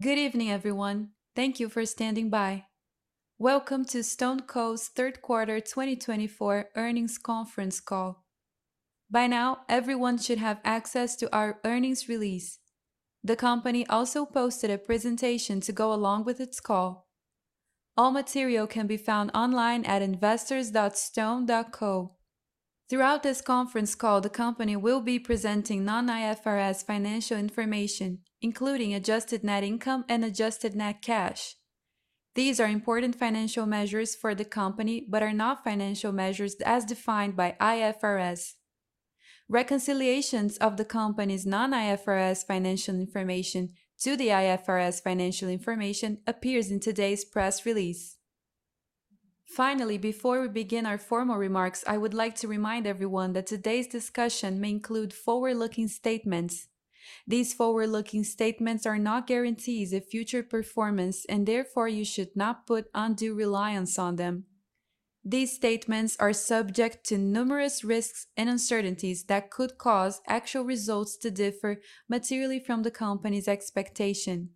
Good evening, everyone. Thank you for standing by. Welcome to StoneCo's Q3 2024 Earnings Conference Call. By now, everyone should have access to our earnings release. The company also posted a presentation to go along with its call. All material can be found online at investors.stone.co. Throughout this conference call, the company will be presenting non-IFRS financial information, including adjusted net income and adjusted net cash. These are important financial measures for the company but are not financial measures as defined by IFRS. Reconciliations of the company's non-IFRS financial information to the IFRS financial information appear in today's press release. Finally, before we begin our formal remarks, I would like to remind everyone that today's discussion may include forward-looking statements. These forward-looking statements are not guarantees of future performance, and therefore you should not put undue reliance on them. These statements are subject to numerous risks and uncertainties that could cause actual results to differ materially from the company's expectations.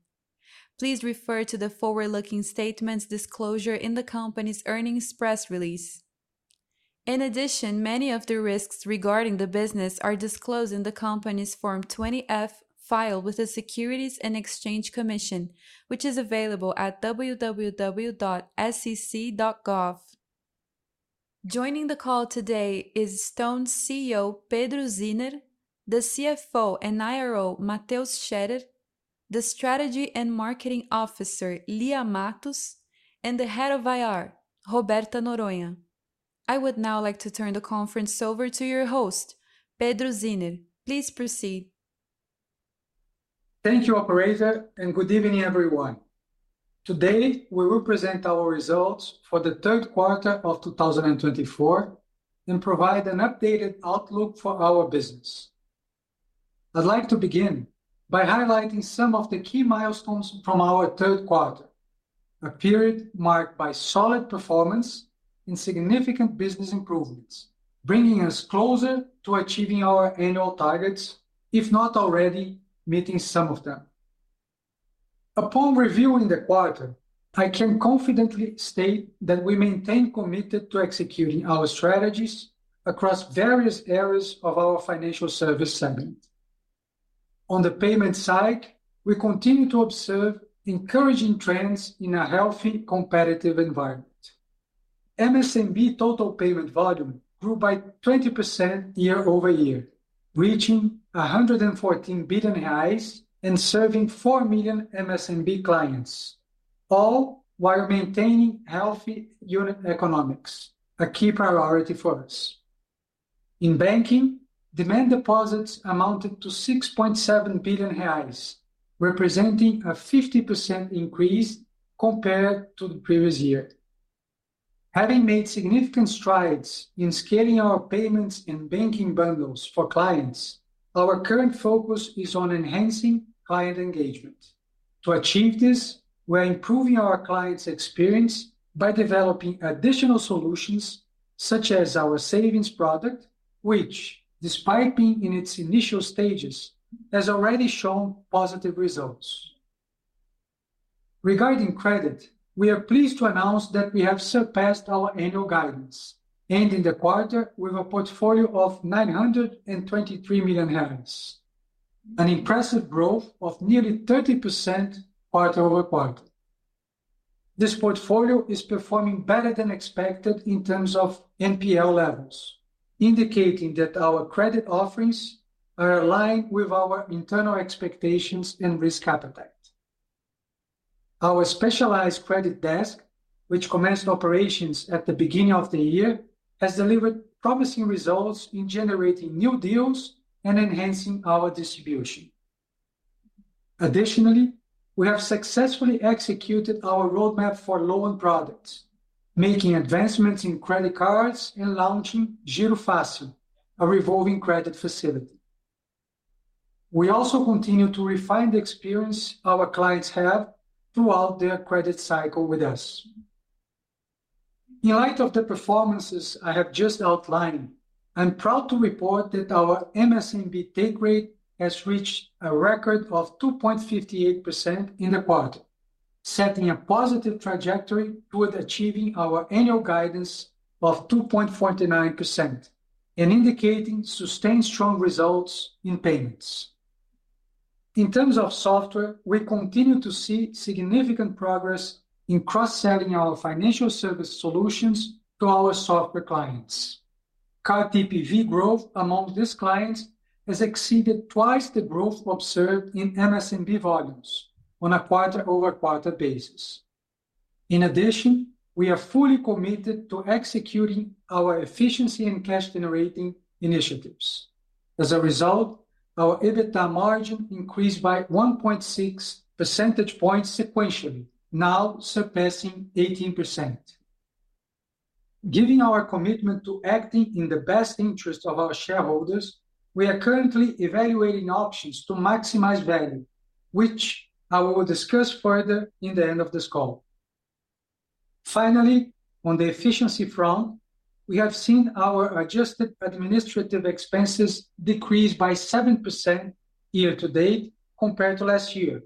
Please refer to the forward-looking statements disclosure in the company's earnings press release. In addition, many of the risks regarding the business are disclosed in the company's Form 20-F filed with the Securities and Exchange Commission, which is available at www.sec.gov. Joining the call today is Stone's CEO, Pedro Zinner, the CFO and IRO, Mateus Scherer, the Strategy and Marketing Officer, Lia Matos, and the Head of IR, Roberta Noronha. I would now like to turn the conference over to your host, Pedro Zinner. Please proceed. Thank you, Operator, and good evening, everyone. Today, we will present our results for Q3 2024 and provide an updated outlook for our business. I'd like to begin by highlighting some of the key milestones from our Q3, a period marked by solid performance and significant business improvements, bringing us closer to achieving our annual targets, if not already meeting some of them. Upon reviewing the quarter, I can confidently state that we maintain commitment to executing our strategies across various areas of our financial service segment. On the payment side, we continue to observe encouraging trends in a healthy, competitive environment. MSMB total payment volume grew by 20% year over year, reaching 114 billion reais and serving four million MSMB clients, all while maintaining healthy unit economics, a key priority for us. In banking, demand deposits amounted to 6.7 billion reais, representing a 50% increase compared to the previous year. Having made significant strides in scaling our payments and banking bundles for clients, our current focus is on enhancing client engagement. To achieve this, we are improving our clients' experience by developing additional solutions, such as our savings product, which, despite being in its initial stages, has already shown positive results. Regarding credit, we are pleased to announce that we have surpassed our annual guidance, ending the quarter with a portfolio of 923 million, an impressive growth of nearly 30% quarter over quarter. This portfolio is performing better than expected in terms of NPL levels, indicating that our credit offerings are aligned with our internal expectations and risk appetite. Our specialized credit desk, which commenced operations at the beginning of the year, has delivered promising results in generating new deals and enhancing our distribution. Additionally, we have successfully executed our roadmap for loan products, making advancements in credit cards and launching GiroFácil, a revolving credit facility. We also continue to refine the experience our clients have throughout their credit cycle with us. In light of the performances I have just outlined, I'm proud to report that our MSMB take rate has reached a record of 2.58% in the quarter, setting a positive trajectory toward achieving our annual guidance of 2.49% and indicating sustained strong results in payments. In terms of software, we continue to see significant progress in cross-selling our financial service solutions to our software clients. Card DPV growth among these clients has exceeded twice the growth observed in MSMB volumes on a quarter-over-quarter basis. In addition, we are fully committed to executing our efficiency and cash-generating initiatives. As a result, our EBITDA margin increased by 1.6 percentage points sequentially, now surpassing 18%. Given our commitment to acting in the best interest of our shareholders, we are currently evaluating options to maximize value, which I will discuss further in the end of this call. Finally, on the efficiency front, we have seen our adjusted administrative expenses decrease by 7% year-to-date compared to last year,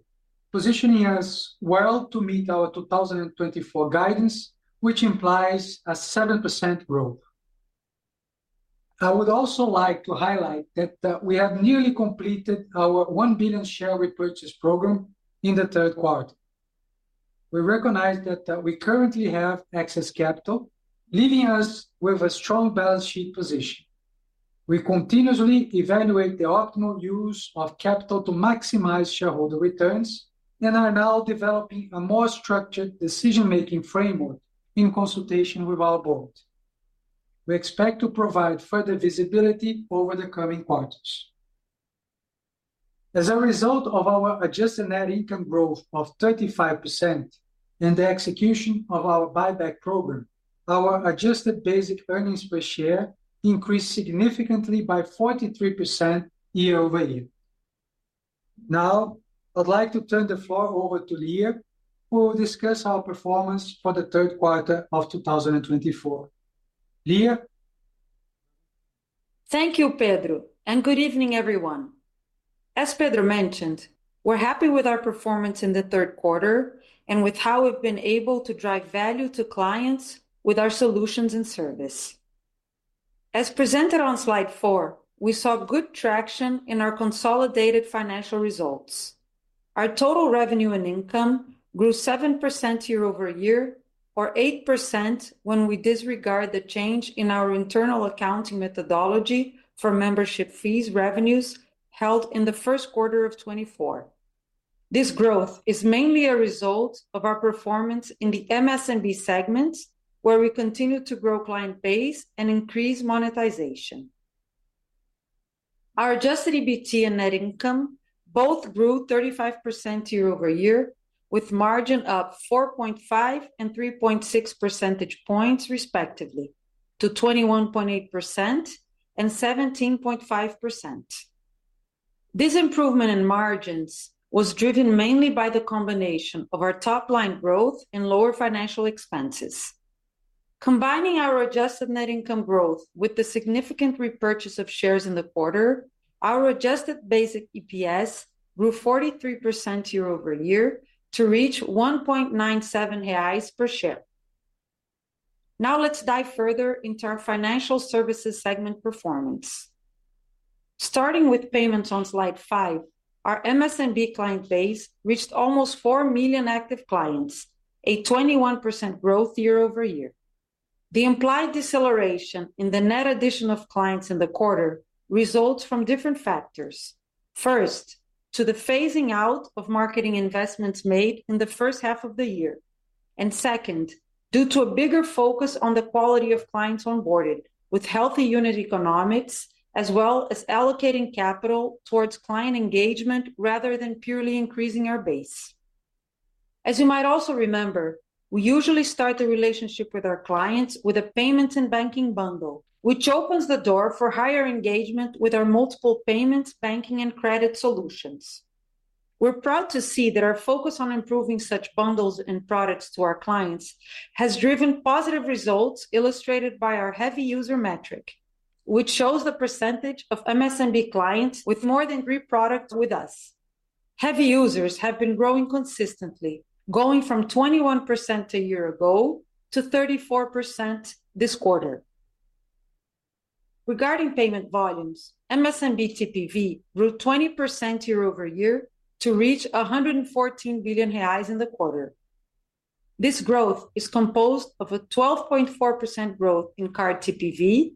positioning us well to meet our 2024 guidance, which implies a 7% growth. I would also like to highlight that we have nearly completed our 1 billion share repurchase program in Q3. We recognize that we currently have excess capital, leaving us with a strong balance sheet position. We continuously evaluate the optimal use of capital to maximize shareholder returns and are now developing a more structured decision-making framework in consultation with our board. We expect to provide further visibility over the coming quarters. As a result of our adjusted net income growth of 35% and the execution of our buyback program, our adjusted basic earnings per share increased significantly by 43% year-over-year. Now, I'd like to turn the floor over to Lia, who will discuss our performance for Q3 2024. Lia? Thank you, Pedro, and good evening, everyone. As Pedro mentioned, we're happy with our performance in Q3 and with how we've been able to drive value to clients with our solutions and service. As presented on slide four, we saw good traction in our consolidated financial results. Our total revenue and income grew 7% year-over-year, or 8% when we disregard the change in our internal accounting methodology for membership fees revenues held in Q1 2024. This growth is mainly a result of our performance in the MSMB segment, where we continue to grow client base and increase monetization. Our adjusted EBITDA and net income both grew 35% year-over-year, with margin up 4.5% and 3.6 percentage points, respectively, to 21.8% and 17.5%. This improvement in margins was driven mainly by the combination of our top-line growth and lower financial expenses. Combining our adjusted net income growth with the significant repurchase of shares in Q4, our adjusted basic EPS grew 43% year-over-year to reach 1.97 reais per share. Now, let's dive further into our financial services segment performance. Starting with payments on slide five, our MSMB client base reached almost four million active clients, a 21% growth year-over-year. The implied deceleration in the net addition of clients in [the quarter] results from different factors. First, to the phasing out of marketing investments made in the first half of the year, and second, due to a bigger focus on the quality of clients onboarded with healthy unit economics, as well as allocating capital towards client engagement rather than purely increasing our base. As you might also remember, we usually start the relationship with our clients with a payments and banking bundle, which opens the door for higher engagement with our multiple payments, banking, and credit solutions. We're proud to see that our focus on improving such bundles and products to our clients has driven positive results illustrated by our heavy user metric, which shows the percentage of MSMB clients with more than three products with us. Heavy users have been growing consistently, going from 21% a year ago to 34% this quarter. Regarding payment volumes, MSMB CTPV grew 20% year-over-year to reach BRL $114 billion in the quarter. This growth is composed of a 12.4% growth in card TPV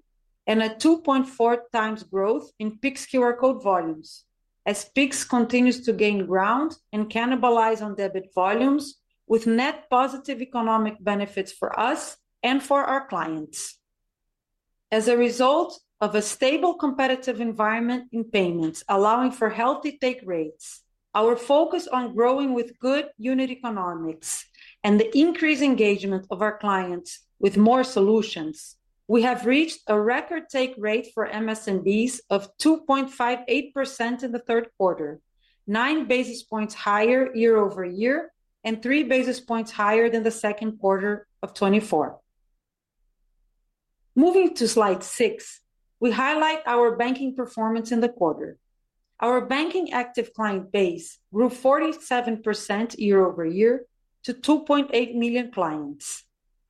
and a 2.4 times growth in Pix QR code volumes, as Pix continues to gain ground and cannibalize on debit volumes, with net positive economic benefits for us and for our clients. As a result of a stable competitive environment in payments allowing for healthy take rates, our focus on growing with good unit economics, and the increased engagement of our clients with more solutions, we have reached a record take rate for MSMBs of 2.58% in Q3, nine basis points higher year-over-year and three basis points higher than Q2 of 2024. Moving to slide six, we highlight our banking performance in Q4. Our banking active client base grew 47% year-over-year to 2.8 million clients.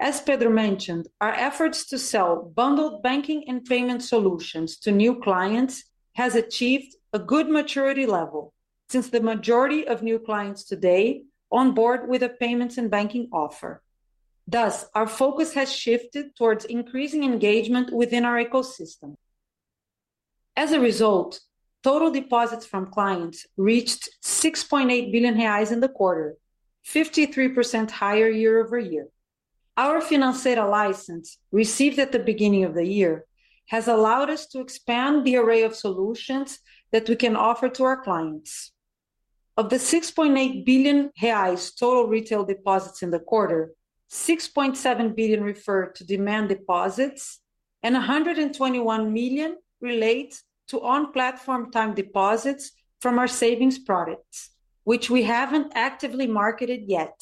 As Pedro mentioned, our efforts to sell bundled banking and payment solutions to new clients have achieved a good maturity level since the majority of new clients today onboard with a payments and banking offer. Thus, our focus has shifted towards increasing engagement within our ecosystem. As a result, total deposits from clients reached 6.8 billion reais in the quarter, 53% higher year-over-year. Our financing license, received at the beginning of the year, has allowed us to expand the array of solutions that we can offer to our clients. Of the 6.8 billion reais total retail deposits in Q4, 6.7 billion refer to demand deposits, and 121 million relate to on-platform time deposits from our savings products, which we haven't actively marketed yet.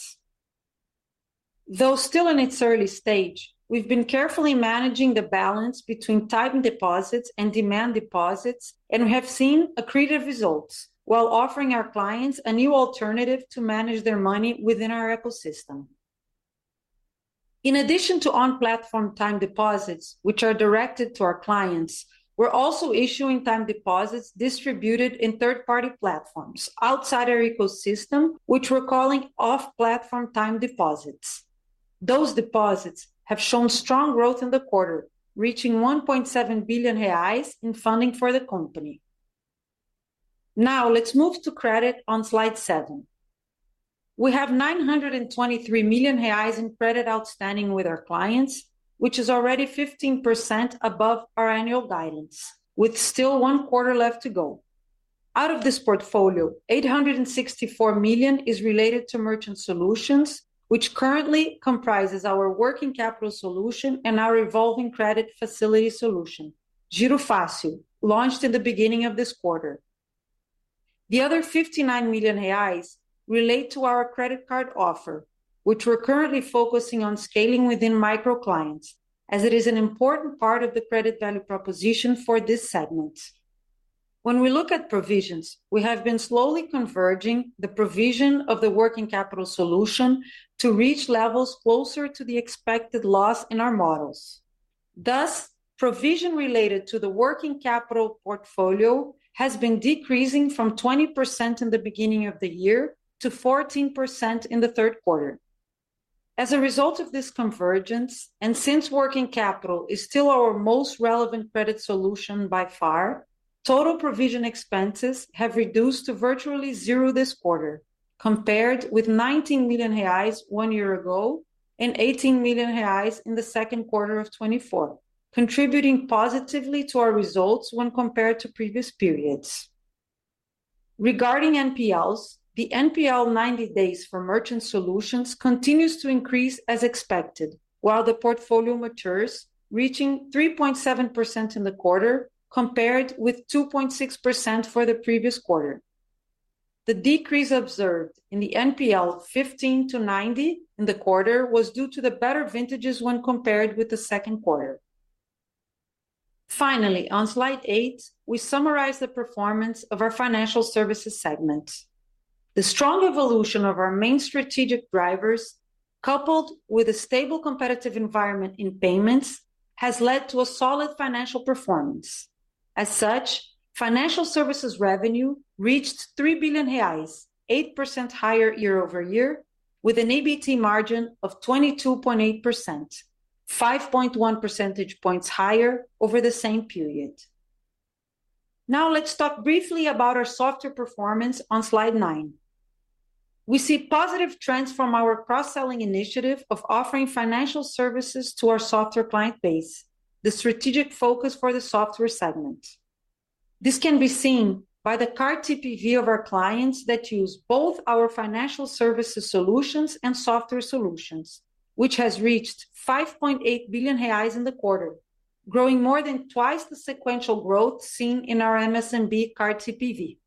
Though still in its early stage, we've been carefully managing the balance between time deposits and demand deposits, and we have seen encouraging results while offering our clients a new alternative to manage their money within our ecosystem. In addition to on-platform time deposits, which are directed to our clients, we're also issuing time deposits distributed in third-party platforms outside our ecosystem, which we're calling off-platform time deposits. Those deposits have shown strong growth in Q4, reaching 1.7 billion reais in funding for the company. Now, let's move to credit on slide seven. We have 923 million reais in credit outstanding with our clients, which is already 15% above our annual guidance, with still one quarter left to go. Out of this portfolio, 864 million is related to merchant solutions, which currently comprises our working capital solution and our revolving credit facility solution, GiroFácil, launched in the beginning of this quarter. The other 59 million reais relate to our credit card offer, which we're currently focusing on scaling within micro-clients, as it is an important part of the credit value proposition for this segment. When we look at provisions, we have been slowly converging the provision of the working capital solution to reach levels closer to the expected loss in our models. Thus, provision related to the working capital portfolio has been decreasing from 20% in the beginning of the year to 14% in Q3. As a result of this convergence, and since working capital is still our most relevant credit solution by far, total provision expenses have reduced to virtually zero this quarter, compared with 19 million reais one year ago and 18 million reais in Q2 of 2024, contributing positively to our results when compared to previous periods. Regarding NPLs, the NPL 90 days for merchant solutions continues to increase as expected while the portfolio matures, reaching 3.7% in Q4, compared with 2.6% for the previous quarter. The decrease observed in the NPL 15 to 90 in Q4 was due to the better vintages when compared with Q2. Finally, on slide eight, we summarize the performance of our financial services segment. The strong evolution of our main strategic drivers, coupled with a stable competitive environment in payments, has led to a solid financial performance. As such, financial services revenue reached 3 billion reais, 8% higher year-over-year, with an EBITDA margin of 22.8%, 5.1 percentage points higher over the same period. Now, let's talk briefly about our software performance on slide nine. We see positive trends from our cross-selling initiative of offering financial services to our software client base, the strategic focus for the software segment. This can be seen by the card TPV of our clients that use both our financial services solutions and software solutions, which has reached 5.8 billion reais in the quarter, growing more than twice the sequential growth seen in our MSMB card TPV.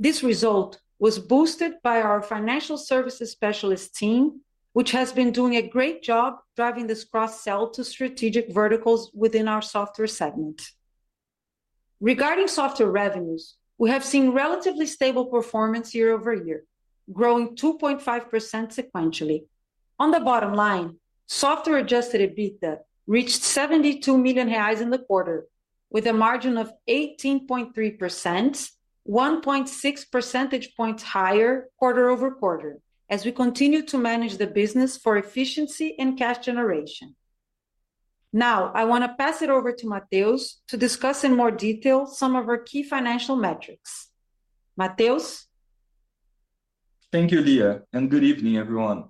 This result was boosted by our financial services specialist team, which has been doing a great job driving this cross-sell to strategic verticals within our software segment. Regarding software revenues, we have seen relatively stable performance year-over-year, growing 2.5% sequentially. On the bottom line, software Adjusted EBITDA reached 72 million reais in the quarter, with a margin of 18.3%, 1.6 percentage points higher quarter over quarter, as we continue to manage the business for efficiency and cash generation. Now, I want to pass it over to Mateus to discuss in more detail some of our key financial metrics. Mateus? Thank you, Lia, and good evening, everyone.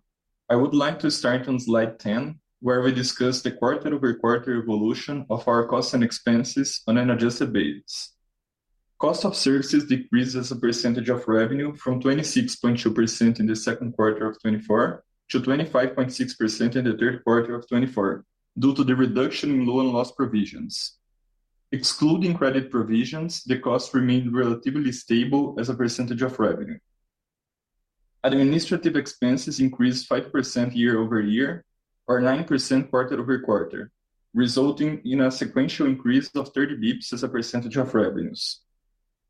I would like to start on slide 10, where we discuss the quarter-over-quarter evolution of our costs and expenses on an adjusted basis. Cost of services decreased as a percentage of revenue from 26.2% in Q2 of 2024 to 25.6% in Q3 of 2024 due to the reduction in loan and loss provisions. Excluding credit provisions, the costs remained relatively stable as a percentage of revenue. Administrative expenses increased 5% year-over-year or 9% quarter over quarter, resulting in a sequential increase of 30 basis points as a percentage of revenues.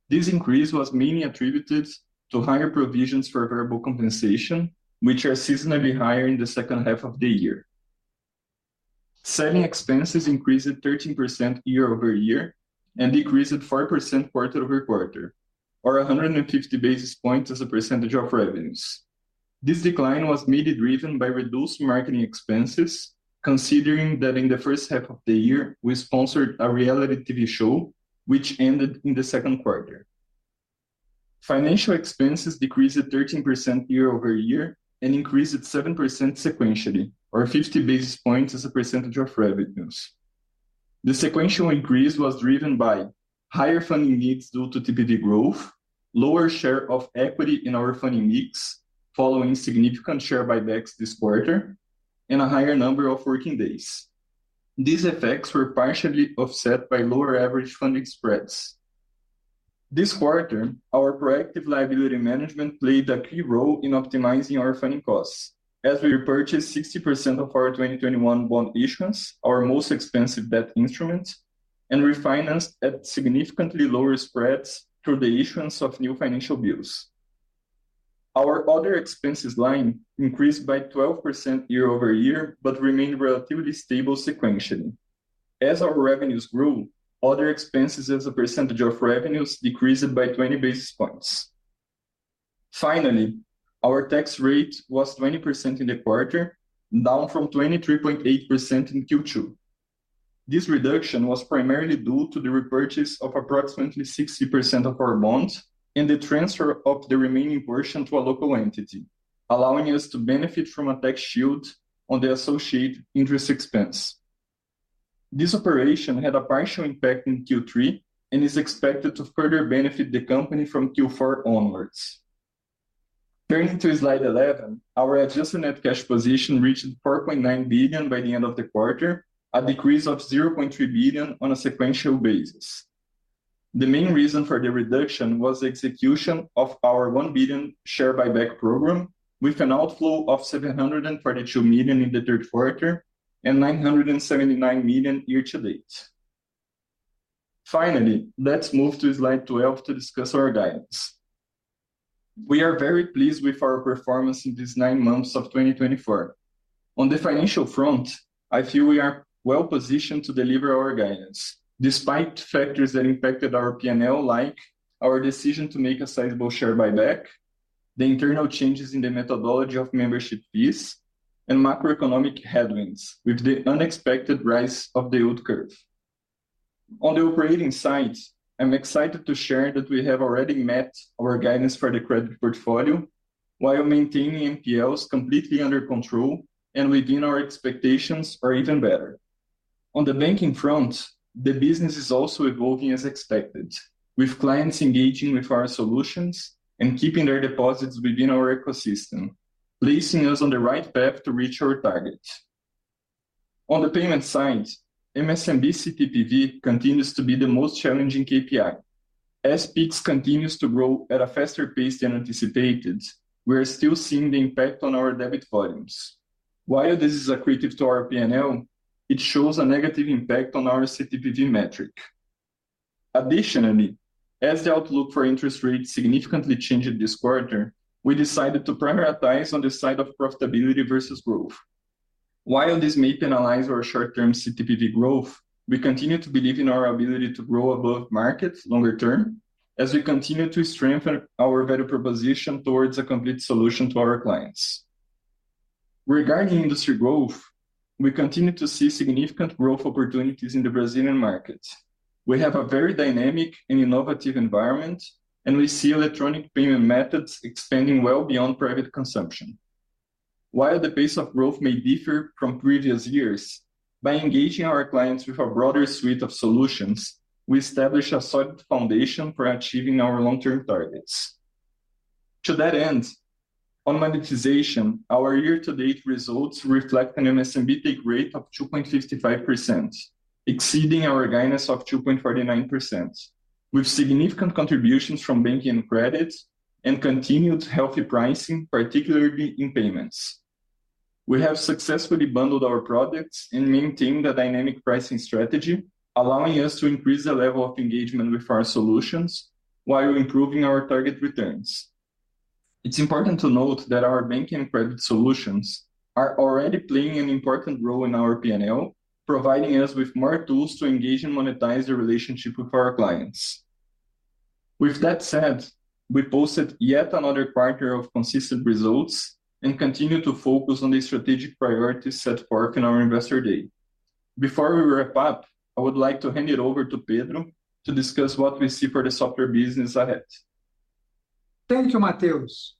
This increase was mainly attributed to higher provisions for variable compensation, which are seasonally higher in the second half of the year. Selling expenses increased 13% year-over-year and decreased 4% quarter over quarter, or 150 basis points as a percentage of revenues. This decline was mainly driven by reduced marketing expenses, considering that in the first half of the year, we sponsored a reality TV show, which ended in Q2. Financial expenses decreased 13% year-over-year and increased 7% sequentially, or 50 basis points as a percentage of revenues. The sequential increase was driven by higher funding needs due to TPV growth, lower share of equity in our funding mix, following significant share buybacks this quarter, and a higher number of working days. These effects were partially offset by lower average funding spreads. This quarter, our proactive liability management played a key role in optimizing our funding costs, as we repurchased 60% of our 2021 bond issuance, our most expensive debt instrument, and refinanced at significantly lower spreads through the issuance of new financial bills. Our other expenses line increased by 12% year-over-year but remained relatively stable sequentially. As our revenues grew, other expenses as a percentage of revenues decreased by 20 basis points. Finally, our tax rate was 20% in Q4, down from 23.8% in Q2. This reduction was primarily due to the repurchase of approximately 60% of our bonds and the transfer of the remaining portion to a local entity, allowing us to benefit from a tax shield on the associated interest expense. This operation had a partial impact in Q3 and is expected to further benefit the company from Q4 onwards. Turning to slide 11, our adjusted net cash position reached 4.9 by the end of the quarter, a decrease of 0.3 billion on a sequential basis. The main reason for the reduction was the execution of our 1 billion share buyback program, with an outflow of 742 in Q3 and 979 million year-to-date. Finally, let's move to slide 12 to discuss our guidance. We are very pleased with our performance in these nine months of 2024. On the financial front, I feel we are well-positioned to deliver our guidance, despite factors that impacted our P&L, like our decision to make a sizable share buyback, the internal changes in the methodology of membership fees, and macroeconomic headwinds with the unexpected rise of the yield curve. On the operating side, I'm excited to share that we have already met our guidance for the credit portfolio while maintaining NPLs completely under control and within our expectations, or even better. On the banking front, the business is also evolving as expected, with clients engaging with our solutions and keeping their deposits within our ecosystem, placing us on the right path to reach our target. On the payment side, MSMB's CTPV continues to be the most challenging KPI. As Pix continues to grow at a faster pace than anticipated, we are still seeing the impact on our debit volumes. While this is accretive to our P&L, it shows a negative impact on our CTPV metric. Additionally, as the outlook for interest rates significantly changed this quarter, we decided to prioritize on the side of profitability versus growth. While this may penalize our short-term CTPV growth, we continue to believe in our ability to grow above markets longer-term, as we continue to strengthen our value proposition towards a complete solution to our clients. Regarding industry growth, we continue to see significant growth opportunities in the Brazilian market. We have a very dynamic and innovative environment, and we see electronic payment methods expanding well beyond private consumption. While the pace of growth may differ from previous years, by engaging our clients with a broader suite of solutions, we established a solid foundation for achieving our long-term targets. To that end, on monetization, our year-to-date results reflect an MSMB take rate of 2.55%, exceeding our guidance of 2.49%, with significant contributions from banking and credit and continued healthy pricing, particularly in payments. We have successfully bundled our products and maintained a dynamic pricing strategy, allowing us to increase the level of engagement with our solutions while improving our target returns. It's important to note that our banking and credit solutions are already playing an important role in our P&L, providing us with more tools to engage and monetize the relationship with our clients. With that said, we posted yet another quarter of consistent results and continue to focus on the strategic priorities set forth in our Investor Day. Before we wrap up, I would like to hand it over to Pedro to discuss what we see for the software business ahead. Thank you, Mateus.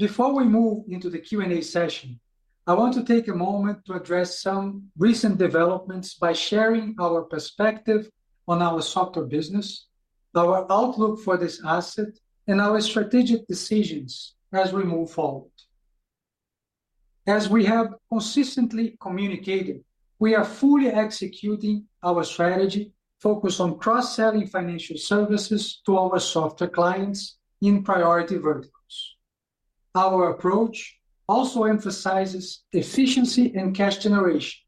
Before we move into the Q&A session, I want to take a moment to address some recent developments by sharing our perspective on our software business, our outlook for this asset, and our strategic decisions as we move forward. As we have consistently communicated, we are fully executing our strategy focused on cross-selling financial services to our software clients in priority verticals. Our approach also emphasizes efficiency and cash generation,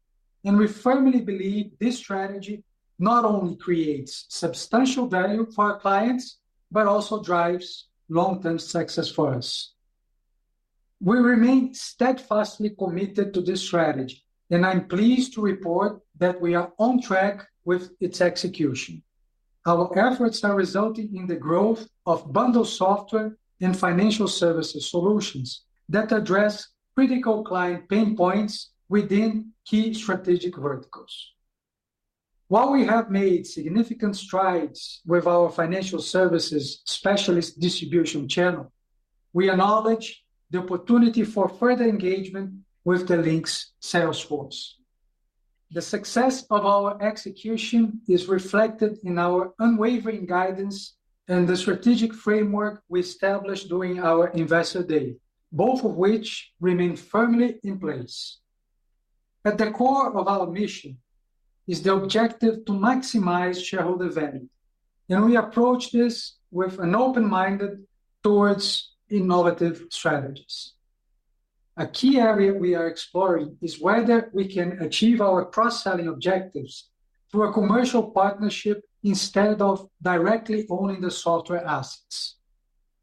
and we firmly believe this strategy not only creates substantial value for our clients but also drives long-term success for us. We remain steadfastly committed to this strategy, and I'm pleased to report that we are on track with its execution. Our efforts are resulting in the growth of bundled software and financial services solutions that address critical client pain points within key strategic verticals. While we have made significant strides with our financial services specialist distribution channel, we acknowledge the opportunity for further engagement with the Linx's sales force. The success of our execution is reflected in our unwavering guidance and the strategic framework we established during our Investor Day, both of which remain firmly in place. At the core of our mission is the objective to maximize shareholder value, and we approach this with an open mind towards innovative strategies. A key area we are exploring is whether we can achieve our cross-selling objectives through a commercial partnership instead of directly owning the software assets.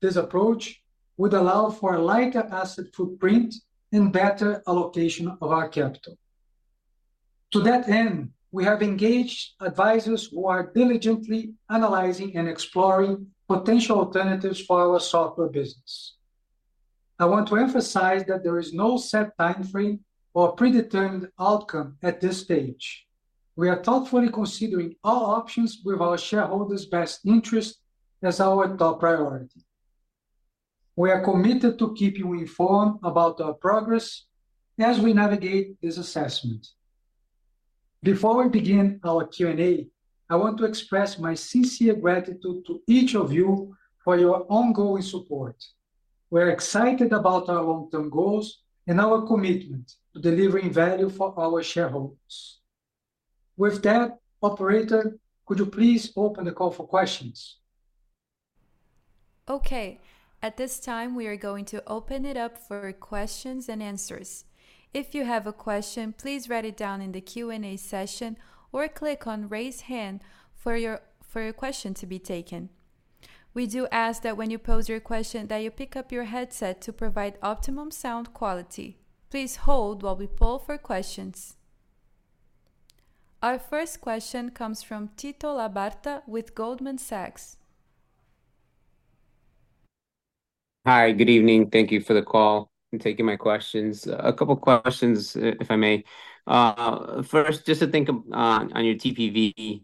This approach would allow for a lighter asset footprint and better allocation of our capital. To that end, we have engaged advisors who are diligently analyzing and exploring potential alternatives for our software business. I want to emphasize that there is no set timeframe or predetermined outcome at this stage. We are thoughtfully considering all options with our shareholders' best interest as our top priority. We are committed to keeping you informed about our progress as we navigate this assessment. Before we begin our Q&A, I want to express my sincere gratitude to each of you for your ongoing support. We are excited about our long-term goals and our commitment to delivering value for our shareholders. With that, operator, could you please open the call for questions? Okay. At this time, we are going to open it up for questions and answers. If you have a question, please write it down in the Q&A session or click on "Raise Hand" for your question to be taken. We do ask that when you pose your question, that you pick up your headset to provide optimum sound quality. Please hold while we poll for questions. Our first question comes from Tito Labarta with Goldman Sachs. Hi, good evening. Thank you for the call and taking my questions. A couple of questions, if I may. First, just to touch on your TPV,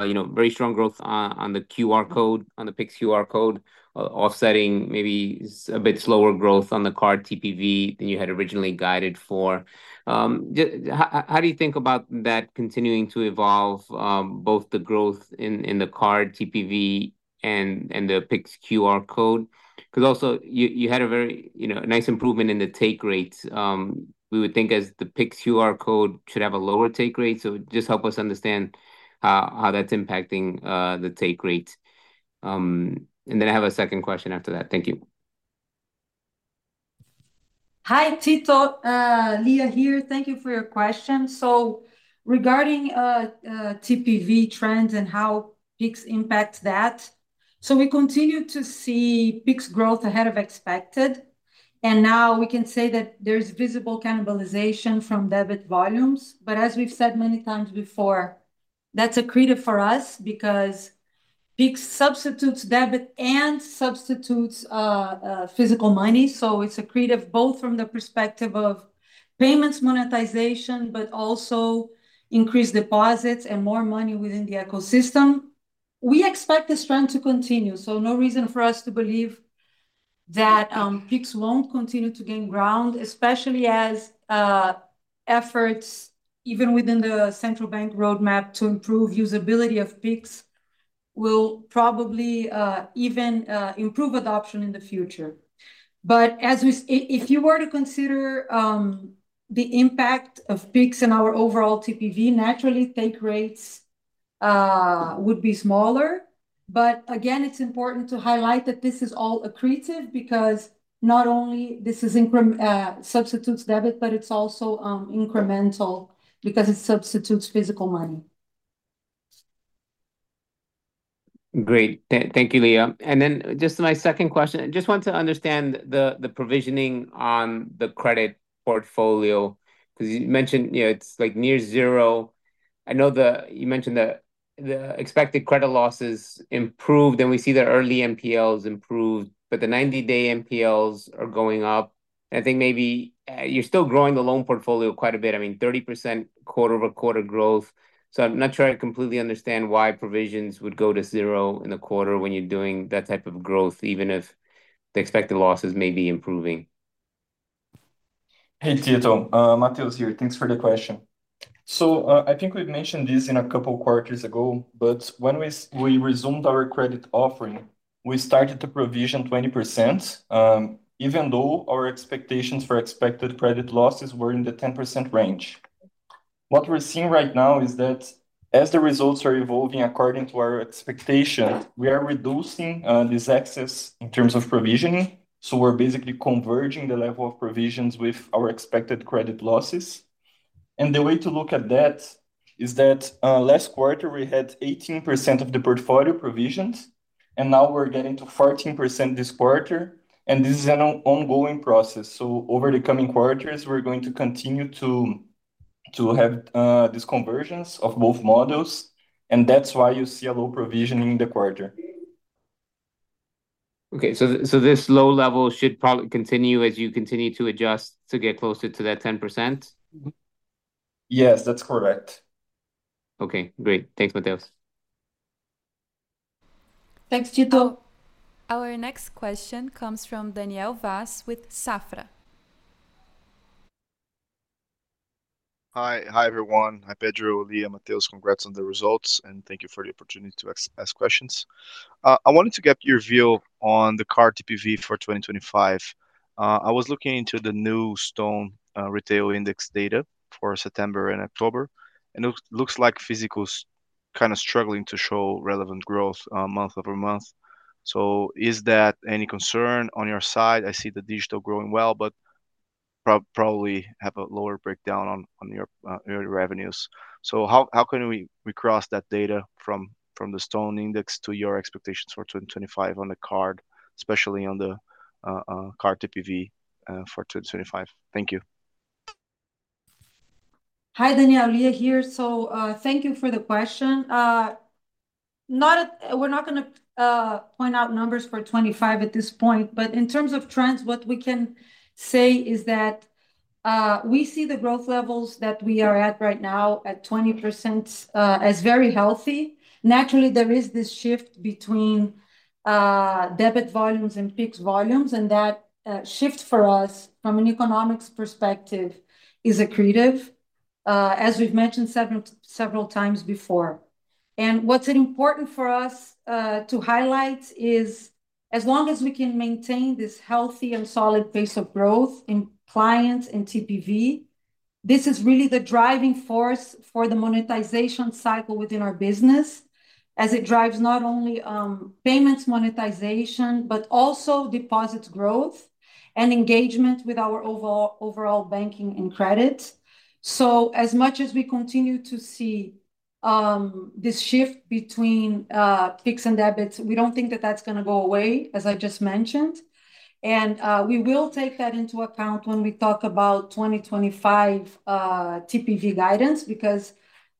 very strong growth on the QR code, on the Pix QR code, offsetting maybe a bit slower growth on the card TPV than you had originally guided for. How do you think about that continuing to evolve, both the growth in the card TPV and the Pix QR code? Because also, you had a very nice improvement in the take rates. We would think as the Pix QR code should have a lower take rate, so just help us understand how that's impacting the take rate, and then I have a second question after that. Thank you. Hi, Tito. Lia here. Thank you for your question. So regarding TPV trends and how Pix impacts that, so we continue to see Pix growth ahead of expected. And now we can say that there's visible cannibalization from debit volumes. But as we've said many times before, that's accretive for us because Pix substitutes debit and substitutes physical money. So it's accretive both from the perspective of payments monetization, but also increased deposits and more money within the ecosystem. We expect this trend to continue, so no reason for us to believe that Pix won't continue to gain ground, especially as efforts, even within the central bank roadmap, to improve usability of Pix will probably even improve adoption in the future. But if you were to consider the impact of Pix and our overall TPV, naturally, take rates would be smaller. But again, it's important to highlight that this is all accretive because not only does this substitute debit, but it's also incremental because it substitutes physical money. Great. Thank you, Lia. And then just my second question. I just want to understand the provisioning on the credit portfolio because you mentioned it's like near zero. I know you mentioned that the expected credit losses improved, and we see the early NPLs improved, but the 90-day NPLs are going up. And I think maybe you're still growing the loan portfolio quite a bit. I mean, 30% quarter-over-quarter growth. So I'm not sure I completely understand why provisions would go to zero in the quarter when you're doing that type of growth, even if the expected losses may be improving. Hey, Tito. Mateus here. Thanks for the question. So I think we've mentioned this a couple of quarters ago, but when we resumed our credit offering, we started to provision 20%, even though our expectations for expected credit losses were in the 10% range. What we're seeing right now is that as the results are evolving according to our expectation, we are reducing this excess in terms of provisioning. So we're basically converging the level of provisions with our expected credit losses. And the way to look at that is that last quarter, we had 18% of the portfolio provisioned, and now we're getting to 14% this quarter. And this is an ongoing process. So over the coming quarters, we're going to continue to have these convergences of both models, and that's why you see a low provisioning in the quarter. Okay, so this low level should probably continue as you continue to adjust to get closer to that 10%? Yes, that's correct. Okay. Great. Thanks, Mateus. Thanks, Tito. Our next question comes from Daniel Vaz with Safra. Hi. Hi, everyone. Hi, Pedro, Lia, Mateus. Congrats on the results, and thank you for the opportunity to ask questions. I wanted to get your view on the card TPV for 2025. I was looking into the new Stone Retail Index data for September and October, and it looks like physicals are kind of struggling to show relevant growth month over month. So is that any concern on your side? I see the digital growing well, but probably have a lower breakdown on your revenues. So how can we cross that data from the Stone Index to your expectations for 2025 on the card, especially on the card TPV for 2025? Thank you. Hi, Daniel. Lia here. So thank you for the question. We're not going to point out numbers for 2025 at this point, but in terms of trends, what we can say is that we see the growth levels that we are at right now at 20% as very healthy. Naturally, there is this shift between debit volumes and Pix volumes, and that shift for us from an economics perspective is accretive, as we've mentioned several times before. And what's important for us to highlight is as long as we can maintain this healthy and solid pace of growth in clients and TPV, this is really the driving force for the monetization cycle within our business, as it drives not only payments monetization, but also deposits growth and engagement with our overall banking and credit. So as much as we continue to see this shift between Pix and debit, we don't think that that's going to go away, as I just mentioned. And we will take that into account when we talk about 2025 TPV guidance because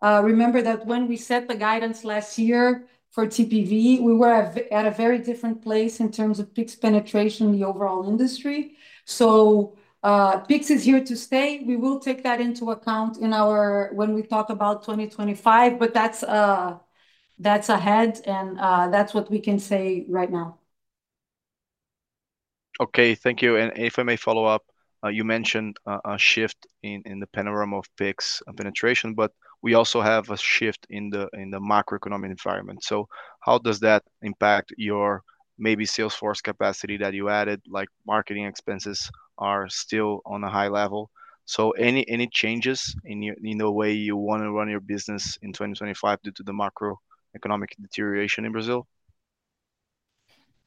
remember that when we set the guidance last year for TPV, we were at a very different place in terms of Pix penetration in the overall industry. So Pix is here to stay. We will take that into account when we talk about 2025, but that's ahead, and that's what we can say right now. Okay. Thank you. And if I may follow up, you mentioned a shift in the panorama of Pix penetration, but we also have a shift in the macroeconomic environment. So how does that impact your maybe sales force capacity that you added, like marketing expenses are still on a high level? So any changes in the way you want to run your business in 2025 due to the macroeconomic deterioration in Brazil?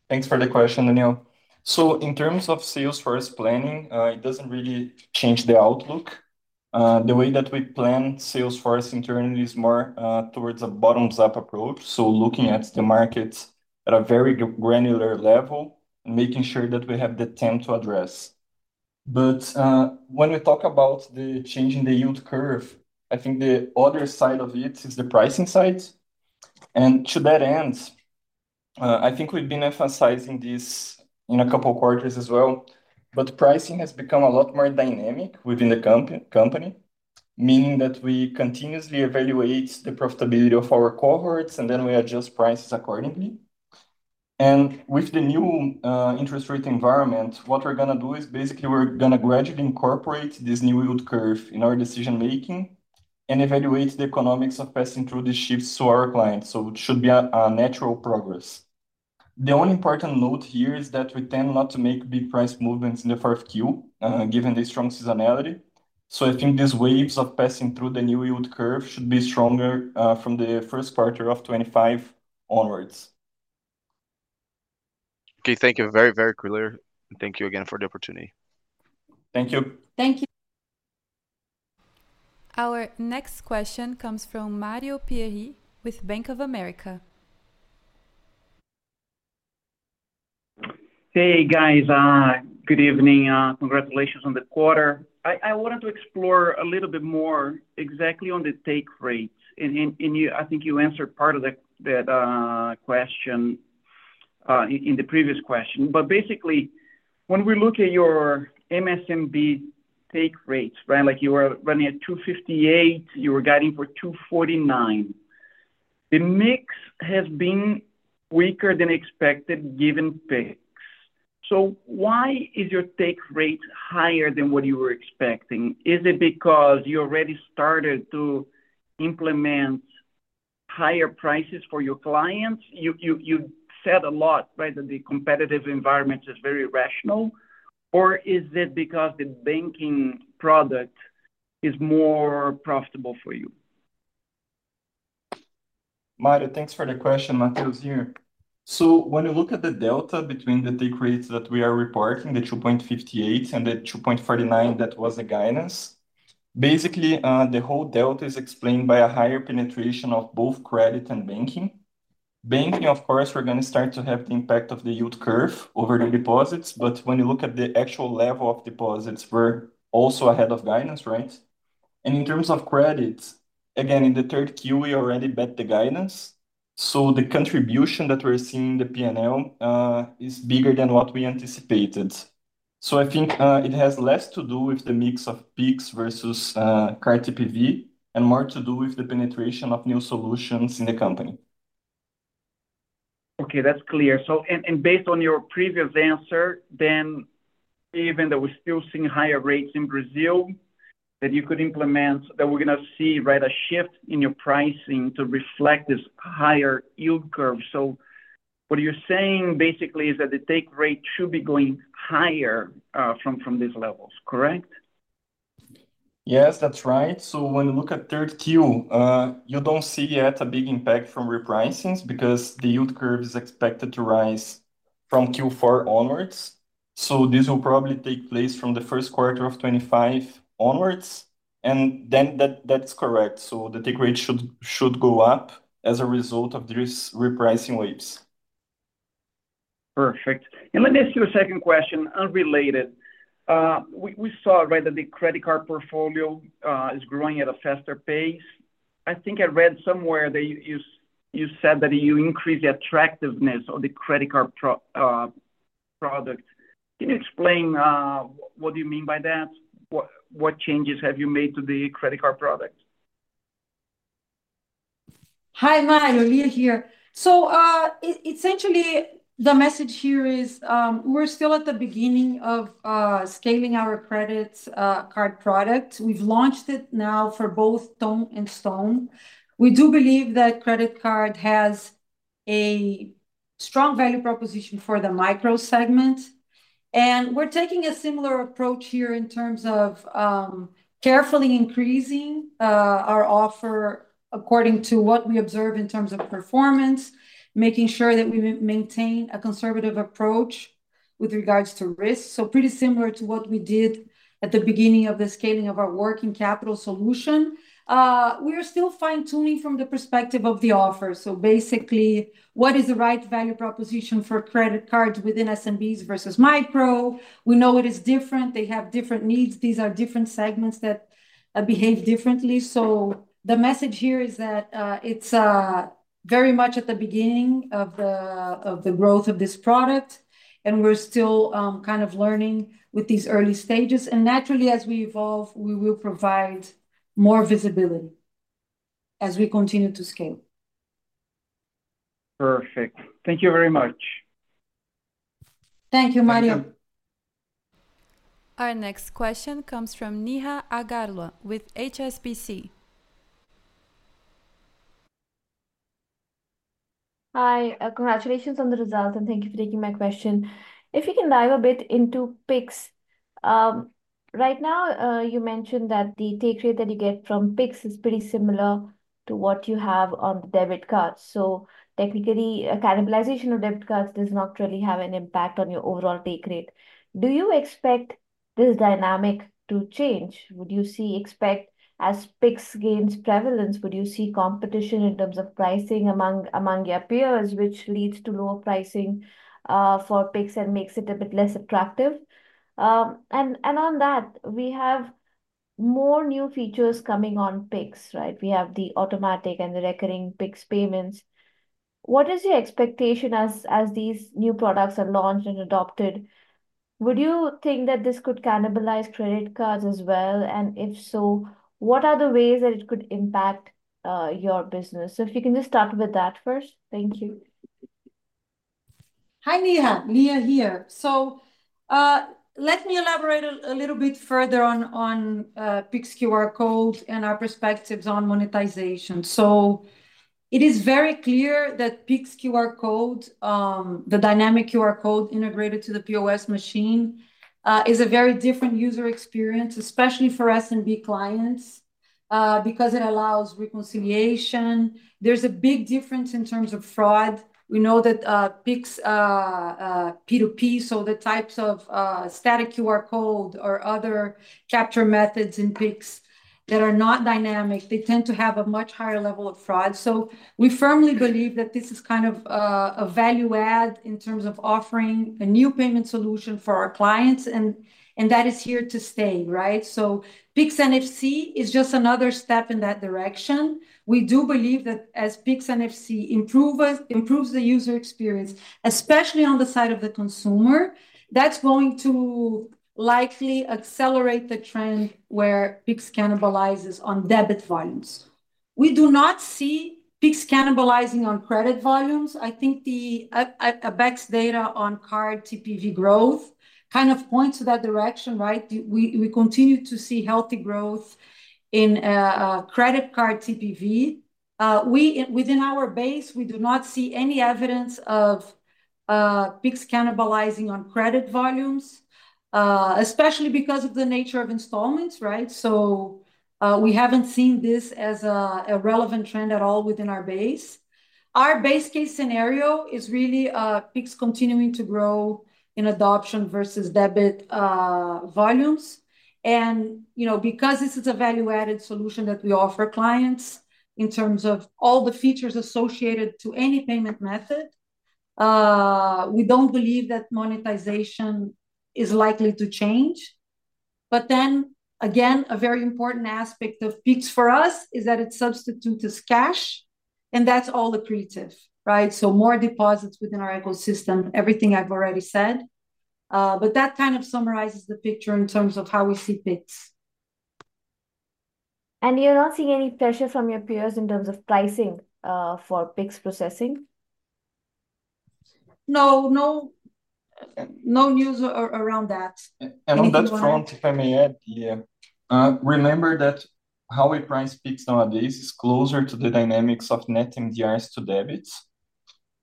Thanks for the question, Daniel. So in terms of sales force planning, it doesn't really change the outlook. The way that we plan sales force internally is more towards a bottoms-up approach, so looking at the markets at a very granular level and making sure that we have the time to address. But when we talk about the change in the yield curve, I think the other side of it is the pricing side. And to that end, I think we've been emphasizing this in a couple of quarters as well, but pricing has become a lot more dynamic within the company, meaning that we continuously evaluate the profitability of our cohorts, and then we adjust prices accordingly. With the new interest rate environment, what we're going to do is basically we're going to gradually incorporate this new yield curve in our decision-making and evaluate the economics of passing through these shifts to our clients. It should be a natural progress. The only important note here is that we tend not to make big price movements in the 4Q given the strong seasonality. I think these waves of passing through the new yield curve should be stronger from the Q1 of 2025 onwards. Okay. Thank you. Very, very clear. Thank you again for the opportunity. Thank you. Thank you. Our next question comes from Mario Pieri with Bank of America. Hey, guys. Good evening. Congratulations on the quarter. I wanted to explore a little bit more exactly on the take rates. And I think you answered part of that question in the previous question. But basically, when we look at your MSMB take rates, you were running at 258. You were guiding for 249. The mix has been weaker than expected given Pix. So why is your take rate higher than what you were expecting? Is it because you already started to implement higher prices for your clients? You said a lot that the competitive environment is very rational. Or is it because the banking product is more profitable for you? Mario, thanks for the question. Mateus here. So when you look at the delta between the take rates that we are reporting, the 2.58% and the 2.49% that was the guidance, basically, the whole delta is explained by a higher penetration of both credit and banking. Banking, of course, we're going to start to have the impact of the yield curve over the deposits. But when you look at the actual level of deposits, we're also ahead of guidance, right? And in terms of credits, again, in Q3, we already beat the guidance. So the contribution that we're seeing in the P&L is bigger than what we anticipated. So I think it has less to do with the mix of Pix versus card TPV and more to do with the penetration of new solutions in the company. Okay. That's clear. And based on your previous answer, then even though we're still seeing higher rates in Brazil, that you could implement that we're going to see a shift in your pricing to reflect this higher yield curve. So what you're saying basically is that the take rate should be going higher from these levels, correct? Yes, that's right. So when you look at Q3, you don't see yet a big impact from repricings because the yield curve is expected to rise from Q4 onwards. So this will probably take place from the first quarter of 2025 onwards. And then that's correct. So the take rate should go up as a result of these repricing waves. Perfect. And let me ask you a second question unrelated. We saw that the credit card portfolio is growing at a faster pace. I think I read somewhere that you said that you increase the attractiveness of the credit card product. Can you explain what you mean by that? What changes have you made to the credit card product? Hi, Mario. Lia here, so essentially, the message here is we're still at the beginning of scaling our credit card product. We've launched it now for both Ton and Stone. We do believe that credit card has a strong value proposition for the micro segment, and we're taking a similar approach here in terms of carefully increasing our offer according to what we observe in terms of performance, making sure that we maintain a conservative approach with regards to risk, so pretty similar to what we did at the beginning of the scaling of our working capital solution. We are still fine-tuning from the perspective of the offer, so basically, what is the right value proposition for credit cards within SMBs versus micro? We know it is different. They have different needs. These are different segments that behave differently. So the message here is that it's very much at the beginning of the growth of this product, and we're still kind of learning with these early stages. And naturally, as we evolve, we will provide more visibility as we continue to scale. Perfect. Thank you very much. Thank you, Mario. Our next question comes from Neha Agarwala with HSBC. Hi. Congratulations on the result, and thank you for taking my question. If you can dive a bit into Pix, right now, you mentioned that the take rate that you get from Pix is pretty similar to what you have on the debit card. So technically, a cannibalization of debit cards does not really have an impact on your overall take rate. Do you expect this dynamic to change? Would you expect as Pix gains prevalence, would you see competition in terms of pricing among your peers, which leads to lower pricing for Pix and makes it a bit less attractive? And on that, we have more new features coming on Pix, right? We have the automatic and the recurring Pix payments. What is your expectation as these new products are launched and adopted? Would you think that this could cannibalize credit cards as well? And if so, what are the ways that it could impact your business? So if you can just start with that first. Thank you. Hi, Neha. Lia here. So let me elaborate a little bit further on Pix QR code and our perspectives on monetization. So it is very clear that Pix QR code, the dynamic QR code integrated to the POS machine, is a very different user experience, especially for SMB clients, because it allows reconciliation. There's a big difference in terms of fraud. We know that Pix P2P, so the types of static QR code or other capture methods in Pix that are not dynamic, they tend to have a much higher level of fraud. So we firmly believe that this is kind of a value add in terms of offering a new payment solution for our clients, and that is here to stay, right? So Pix NFC is just another step in that direction. We do believe that as Pix NFC improves the user experience, especially on the side of the consumer, that's going to likely accelerate the trend where Pix cannibalizes on debit volumes. We do not see Pix cannibalizing on credit volumes. I think the ABECS data on card TPV growth kind of points to that direction, right? We continue to see healthy growth in credit card TPV. Within our base, we do not see any evidence of Pix cannibalizing on credit volumes, especially because of the nature of installments, right? So we haven't seen this as a relevant trend at all within our base. Our base case scenario is really Pix continuing to grow in adoption versus debit volumes, and because this is a value-added solution that we offer clients in terms of all the features associated to any payment method, we don't believe that monetization is likely to change. But then, again, a very important aspect of Pix for us is that it substitutes cash, and that's all accretive, right? So more deposits within our ecosystem, everything I've already said. But that kind of summarizes the picture in terms of how we see Pix. You're not seeing any pressure from your peers in terms of pricing for Pix processing? No, no news around that. And on that front, if I may add here, remember that how we price Pix nowadays is closer to the dynamics of net MDRs to debits.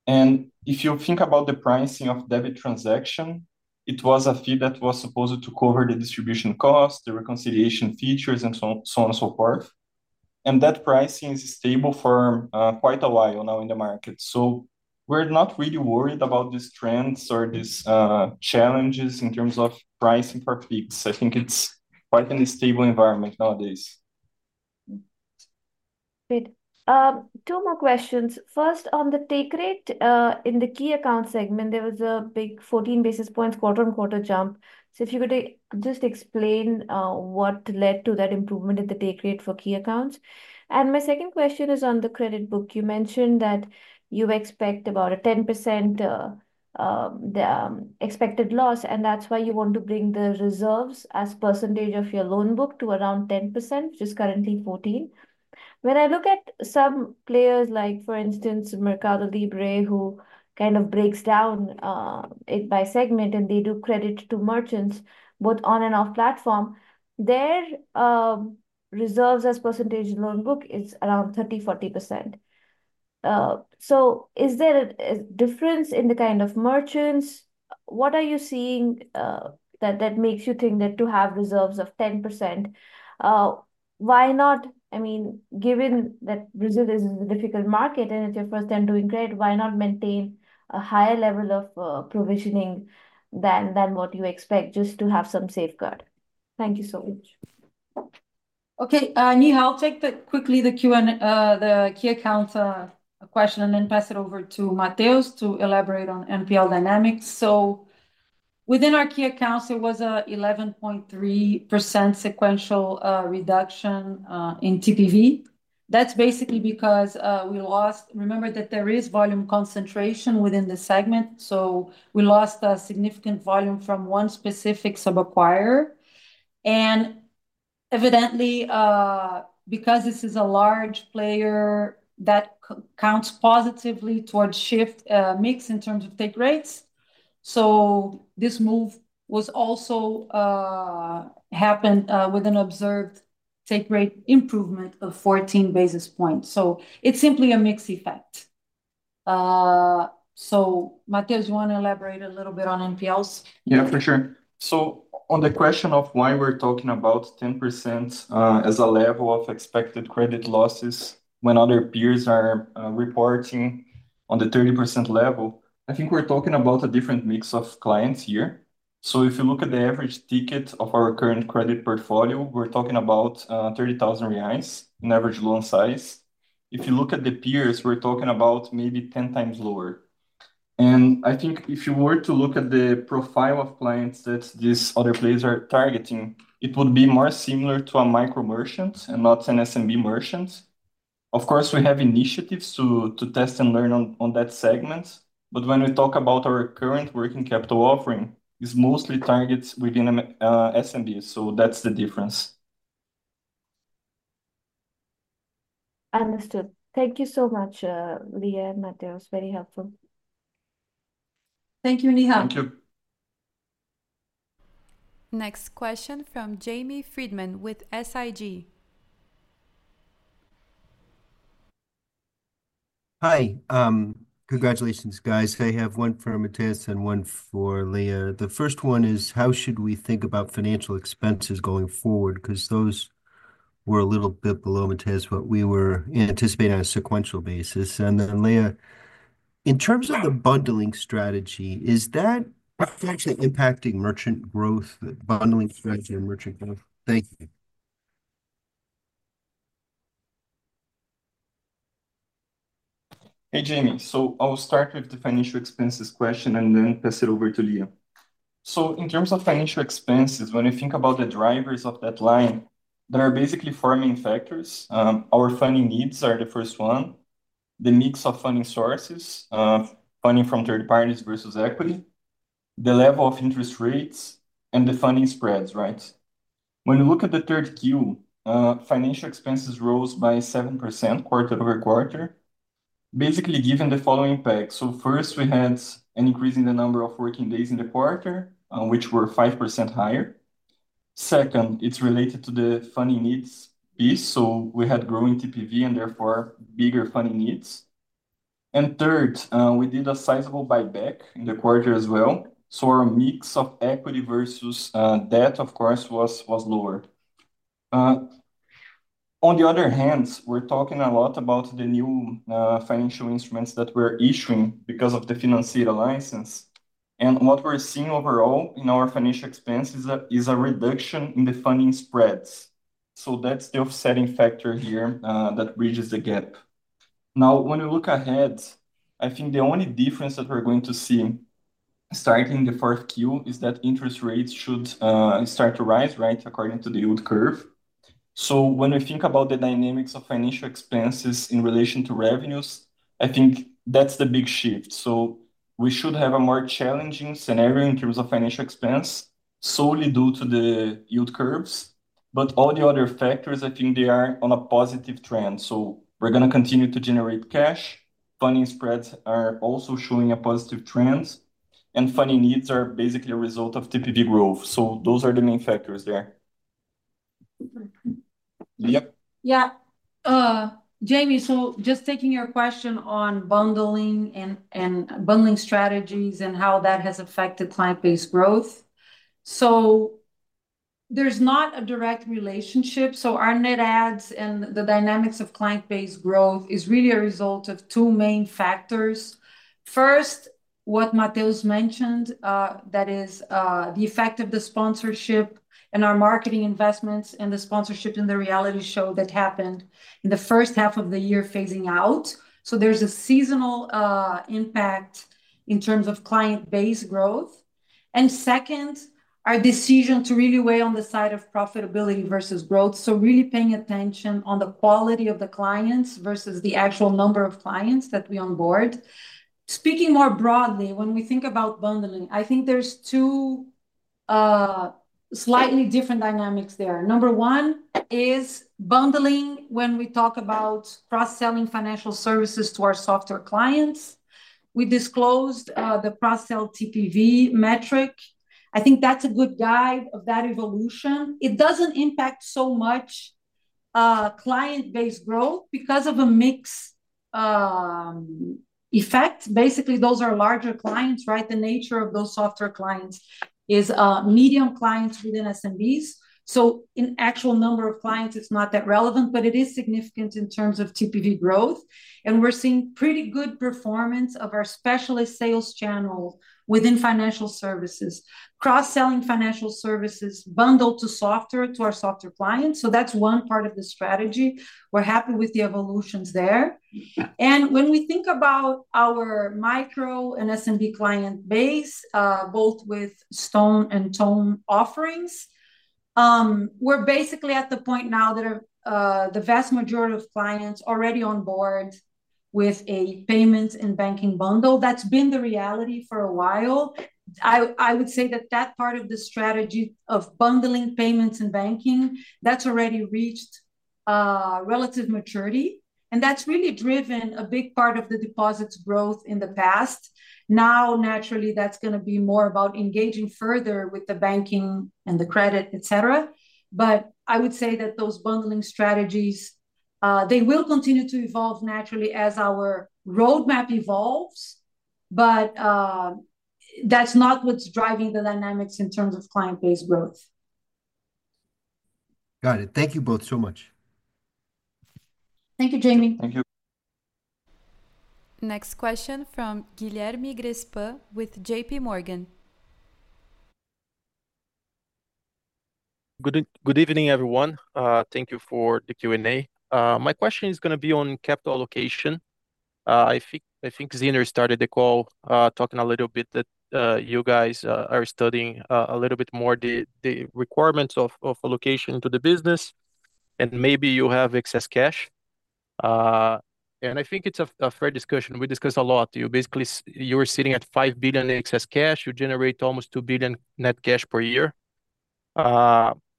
And if you think about the pricing of debit transaction, it was a fee that was supposed to cover the distribution cost, the reconciliation features, and so on and so forth. And that pricing is stable for quite a while now in the market. So we're not really worried about these trends or these challenges in terms of pricing for Pix. I think it's quite a stable environment nowadays. Good. Two more questions. First, on the take rate in the key account segment, there was a big 14 basis points quarter-on-quarter jump. So if you could just explain what led to that improvement in the take rate for key accounts? And my second question is on the credit book. You mentioned that you expect about a 10% expected loss, and that's why you want to bring the reserves as percentage of your loan book to around 10%, which is currently 14%. When I look at some players, like for instance, Mercado Libre, who kind of breaks it down by segment, and they do credit to merchants both on and off platform, their reserves as percentage loan book is around 30%-40%. So is there a difference in the kind of merchants? What are you seeing that makes you think that to have reserves of 10%? Why not? I mean, given that Brazil is a difficult market and it's your first time doing credit, why not maintain a higher level of provisioning than what you expect just to have some safeguard? Thank you so much. Okay. Neha, I'll take quickly the key account question and then pass it over to Mateus to elaborate on NPL dynamics. Within our key accounts, there was an 11.3% sequential reduction in TPV. That's basically because we lost. Remember that there is volume concentration within the segment. We lost significant volume from one specific subacquirer. And evidently, because this is a large player, that counts positively towards shift mix in terms of take rates. This move was also happened with an observed take rate improvement of 14 basis points. It's simply a mixed effect. Mateus, you want to elaborate a little bit on NPLs? Yeah, for sure. So on the question of why we're talking about 10% as a level of expected credit losses when other peers are reporting on the 30% level, I think we're talking about a different mix of clients here. So if you look at the average ticket of our current credit portfolio, we're talking about 30,000 reais in average loan size. If you look at the peers, we're talking about maybe 10 times lower. And I think if you were to look at the profile of clients that these other players are targeting, it would be more similar to a micro merchant and not an SMB merchant. Of course, we have initiatives to test and learn on that segment. But when we talk about our current working capital offering, it's mostly targets within SMBs. So that's the difference. Understood. Thank you so much, Lia and Mateus. Very helpful. Thank you, Neha. Thank you. Next question from Jamie Friedman with SIG. Hi. Congratulations, guys. I have one for Mateus and one for Lia. The first one is, how should we think about financial expenses going forward? Because those were a little bit below Mateus' what we were anticipating on a sequential basis. And then Lia, in terms of the bundling strategy, is that potentially impacting merchant growth, bundling strategy and merchant growth? Thank you. Hey, Jamie. So I'll start with the financial expenses question and then pass it over to Lia. So in terms of financial expenses, when we think about the drivers of that line, there are basically four main factors. Our funding needs are the first one, the mix of funding sources, funding from third parties versus equity, the level of interest rates, and the funding spreads, right? When you look at Q3, financial expenses rose by 7% quarter over quarter, basically given the following impacts. So first, we had an increase in the number of working days in the quarter, which were 5% higher. Second, it's related to the funding needs piece. So we had growing TPV and therefore bigger funding needs. And third, we did a sizable buyback in the quarter as well. So our mix of equity versus debt, of course, was lower. On the other hand, we're talking a lot about the new financial instruments that we're issuing because of the financial license, and what we're seeing overall in our financial expenses is a reduction in the funding spreads, so that's the offsetting factor here that bridges the gap. Now, when we look ahead, I think the only difference that we're going to see starting Q4 is that interest rates should start to rise, right, according to the yield curve, so when we think about the dynamics of financial expenses in relation to revenues, I think that's the big shift, so we should have a more challenging scenario in terms of financial expense solely due to the yield curves, but all the other factors, I think they are on a positive trend, so we're going to continue to generate cash. Funding spreads are also showing a positive trend. Funding needs are basically a result of TPV growth. Those are the main factors there. Yeah. Yeah. Jamie, so just taking your question on bundling and bundling strategies and how that has affected client-based growth. So there's not a direct relationship. Our net adds and the dynamics of client base growth is really a result of two main factors. First, what Mateus mentioned, that is the effect of the sponsorship and our marketing investments and the sponsorship in the reality show that happened in the first half of the year phasing out. There's a seasonal impact in terms of client-based growth. Second, our decision to really weigh on the side of profitability versus growth. Really paying attention on the quality of the clients versus the actual number of clients that we onboard. Speaking more broadly, when we think about bundling, I think there's two slightly different dynamics there. Number one is bundling when we talk about cross-selling financial services to our software clients. We disclosed the cross-sell TPV metric. I think that's a good guide of that evolution. It doesn't impact so much client-based growth because of a mixed effect. Basically, those are larger clients, right? The nature of those software clients is medium clients within SMBs. So in actual number of clients, it's not that relevant, but it is significant in terms of TPV growth, and we're seeing pretty good performance of our specialist sales channel within financial services, cross-selling financial services bundled to software to our software clients, so that's one part of the strategy. We're happy with the evolutions there. When we think about our Micro and SMB client base, both with Stone and Ton offerings, we're basically at the point now that the vast majority of clients are already on board with a payments and banking bundle. That's been the reality for a while. I would say that that part of the strategy of bundling payments and banking, that's already reached relative maturity. And that's really driven a big part of the deposits growth in the past. Now, naturally, that's going to be more about engaging further with the banking and the credit, etc. But I would say that those bundling strategies, they will continue to evolve naturally as our roadmap evolves. But that's not what's driving the dynamics in terms of client-based growth. Got it. Thank you both so much. Thank you, Jamie. Thank you. Next question from Guilherme Grespan with J.P. Morgan. Good evening, everyone. Thank you for the Q&A. My question is going to be on capital allocation. I think Lia started the call talking a little bit that you guys are studying a little bit more the requirements of allocation to the business, and maybe you have excess cash. And I think it's a fair discussion. We discuss a lot. You basically, you were sitting at 5 billion excess cash. You generate almost 2 billion net cash per year.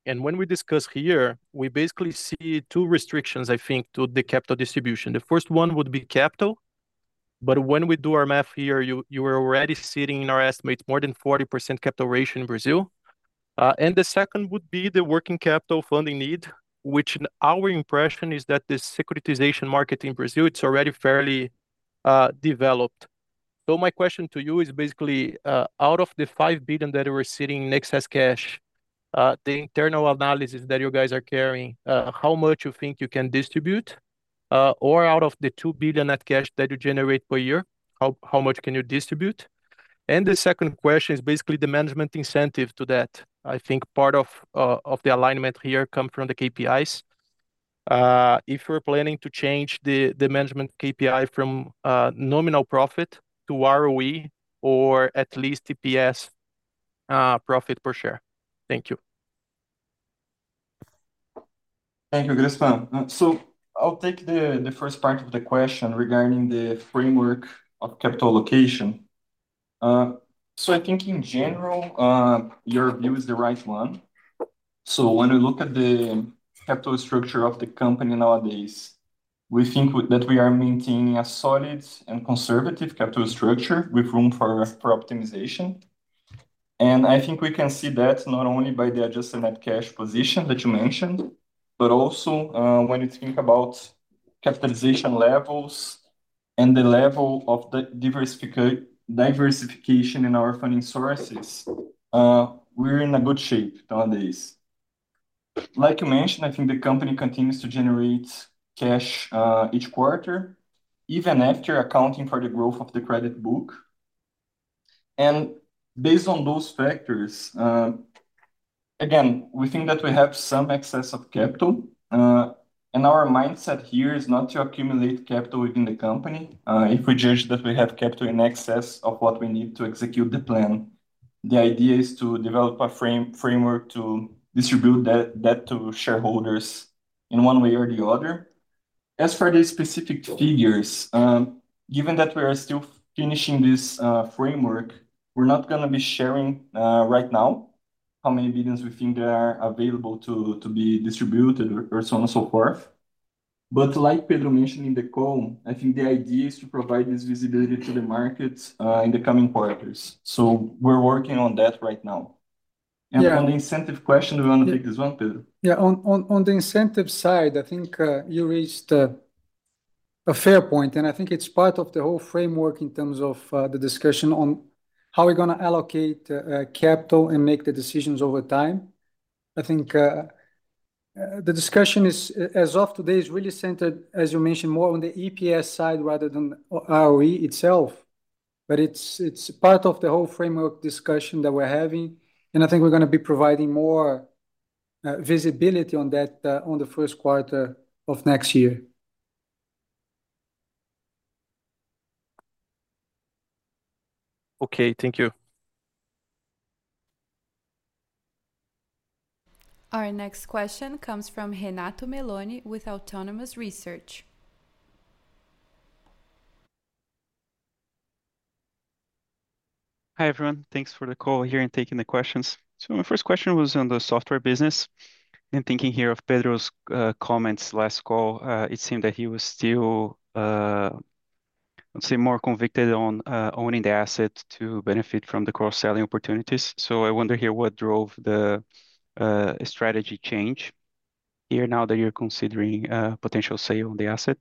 And when we discuss here, we basically see two restrictions, I think, to the capital distribution. The first one would be capital. But when we do our math here, you were already sitting in our estimates more than 40% capital ratio in Brazil. And the second would be the working capital funding need, which in our impression is that the securitization market in Brazil. It's already fairly developed. So my question to you is basically, out of the 5 billion that we're sitting in excess cash, the internal analysis that you guys are carrying, how much you think you can distribute? Or out of the 2 billion net cash that you generate per year, how much can you distribute? And the second question is basically the management incentive to that. I think part of the alignment here comes from the KPIs. If you're planning to change the management KPI from nominal profit to ROE or at least EPS profit per share. Thank you. Thank you, Grespan. So I'll take the first part of the question regarding the framework of capital allocation. So I think in general, your view is the right one. So when we look at the capital structure of the company nowadays, we think that we are maintaining a solid and conservative capital structure with room for optimization. And I think we can see that not only by the adjusted net cash position that you mentioned, but also when you think about capitalization levels and the level of the diversification in our funding sources, we're in a good shape nowadays. Like you mentioned, I think the company continues to generate cash each quarter, even after accounting for the growth of the credit book. And based on those factors, again, we think that we have some excess of capital. And our mindset here is not to accumulate capital within the company. If we judge that we have capital in excess of what we need to execute the plan, the idea is to develop a framework to distribute that to shareholders in one way or the other. As for the specific figures, given that we are still finishing this framework, we're not going to be sharing right now how many billions we think there are available to be distributed or so on and so forth. But like Pedro mentioned in the call, I think the idea is to provide this visibility to the markets in the coming quarters. So we're working on that right now. And on the incentive question, do you want to take this one, Pedro? Yeah. On the incentive side, I think you raised a fair point. And I think it's part of the whole framework in terms of the discussion on how we're going to allocate capital and make the decisions over time. I think the discussion as of today is really centered, as you mentioned, more on the EPS side rather than ROE itself. But it's part of the whole framework discussion that we're having. And I think we're going to be providing more visibility on that on Q1 of next year. Okay. Thank you. Our next question comes from Renato Meloni with Autonomous Research. Hi everyone. Thanks for the call here and taking the questions. So my first question was on the software business, and thinking here of Pedro's comments last call, it seemed that he was still, I'd say, more convicted on owning the asset to benefit from the cross-selling opportunities, so I wonder here what drove the strategy change here now that you're considering a potential sale on the asset,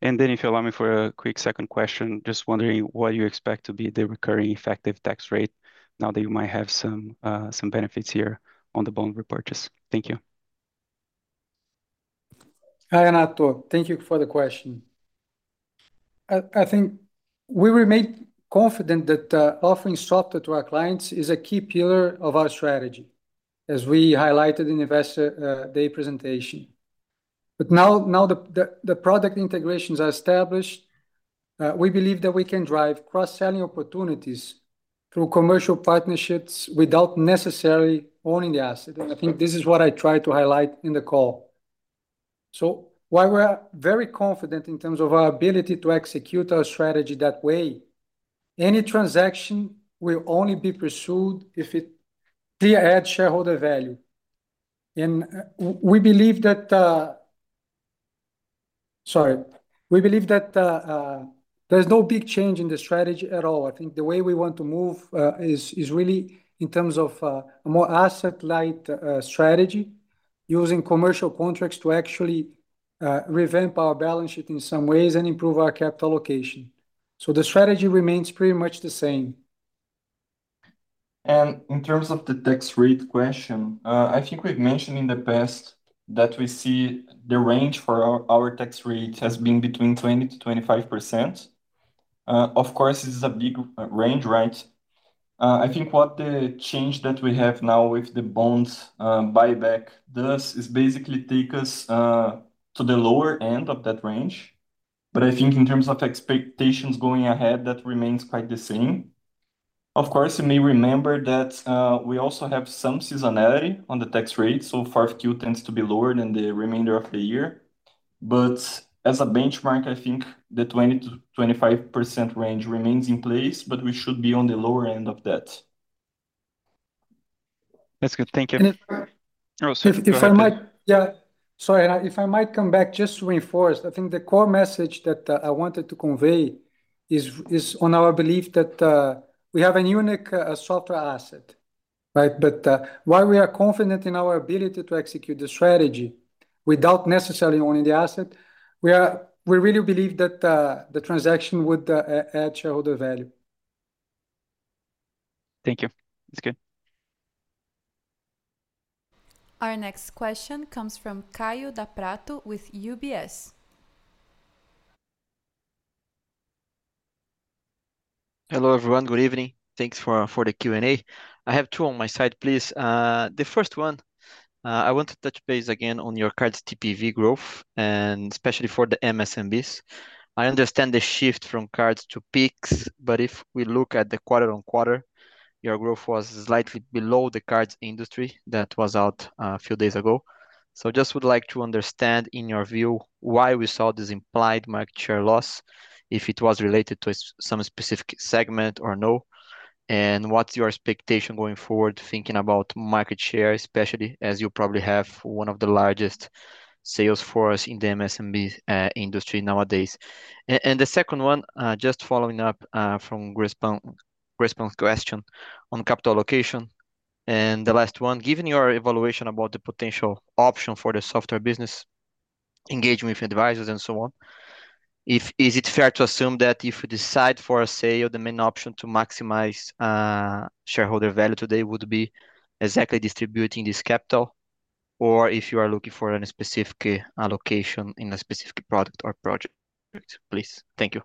and then if you allow me for a quick second question, just wondering what you expect to be the recurring effective tax rate now that you might have some benefits here on the bond repurchase. Thank you. Hi Renato. Thank you for the question. I think we remain confident that offering software to our clients is a key pillar of our strategy, as we highlighted in the investor day presentation, but now that the product integrations are established, we believe that we can drive cross-selling opportunities through commercial partnerships without necessarily owning the asset, and I think this is what I try to highlight in the call, so while we're very confident in terms of our ability to execute our strategy that way, any transaction will only be pursued if it adds shareholder value, and we believe that, sorry, we believe that there's no big change in the strategy at all. I think the way we want to move is really in terms of a more asset-light strategy, using commercial contracts to actually revamp our balance sheet in some ways and improve our capital allocation. So the strategy remains pretty much the same. In terms of the tax rate question, I think we've mentioned in the past that we see the range for our tax rate has been between 20%-25%. Of course, this is a big range, right? I think what the change that we have now with the bonds buyback does is basically take us to the lower end of that range. I think in terms of expectations going ahead, that remains quite the same. Of course, you may remember that we also have some seasonality on the tax rate. Q4 tends to be lower than the remainder of the year. As a benchmark, I think the 20%-25% range remains in place, but we should be on the lower end of that. That's good. Thank you. If I might come back just to reinforce, I think the core message that I wanted to convey is on our belief that we have a unique software asset, right? But while we are confident in our ability to execute the strategy without necessarily owning the asset, we really believe that the transaction would add shareholder value. Thank you. That's good. Our next question comes from Kaio Prato with UBS. Hello everyone. Good evening. Thanks for the Q&A. I have two on my side, please. The first one, I want to touch base again on your cards TPV growth, and especially for the MSMBs. I understand the shift from cards to Pix, but if we look at the quarter-on-quarter, your growth was slightly below the cards industry that was out a few days ago. So I just would like to understand in your view why we saw this implied market share loss, if it was related to some specific segment or no, and what's your expectation going forward, thinking about market share, especially as you probably have one of the largest sales forces in the MSMB industry nowadays. And the second one, just following up from Grespan's question on capital allocation. The last one, given your evaluation about the potential option for the software business, engaging with advisors and so on, is it fair to assume that if we decide for a sale, the main option to maximize shareholder value today would be exactly distributing this capital? Or if you are looking for a specific allocation in a specific product or project, please. Thank you.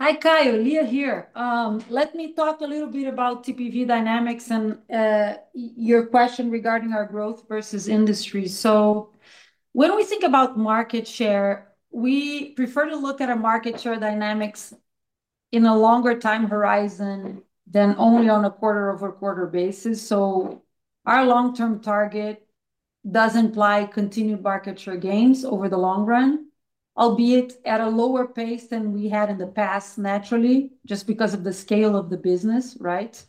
Hi Kaio, Lia here. Let me talk a little bit about TPV dynamics and your question regarding our growth versus industry. So when we think about market share, we prefer to look at our market share dynamics in a longer time horizon than only on a quarter-over-quarter basis. So our long-term target does imply continued market share gains over the long run, albeit at a lower pace than we had in the past, naturally, just because of the scale of the business, right?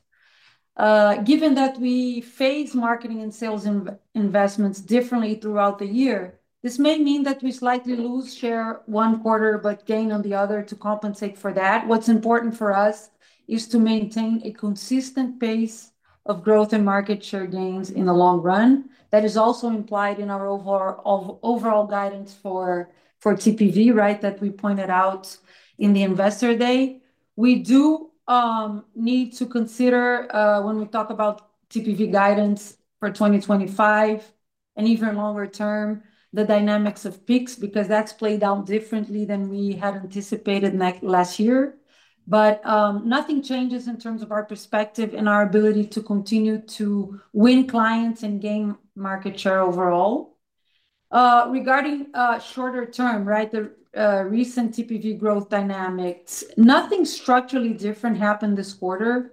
Given that we phase marketing and sales investments differently throughout the year, this may mean that we slightly lose share one quarter, but gain on the other to compensate for that. What's important for us is to maintain a consistent pace of growth and market share gains in the long run. That is also implied in our overall guidance for TPV, right, that we pointed out in the Investor Day. We do need to consider when we talk about TPV guidance for 2025 and even longer term, the dynamics of Pix because that's played out differently than we had anticipated last year. But nothing changes in terms of our perspective and our ability to continue to win clients and gain market share overall. Regarding shorter term, right, the recent TPV growth dynamics, nothing structurally different happened this quarter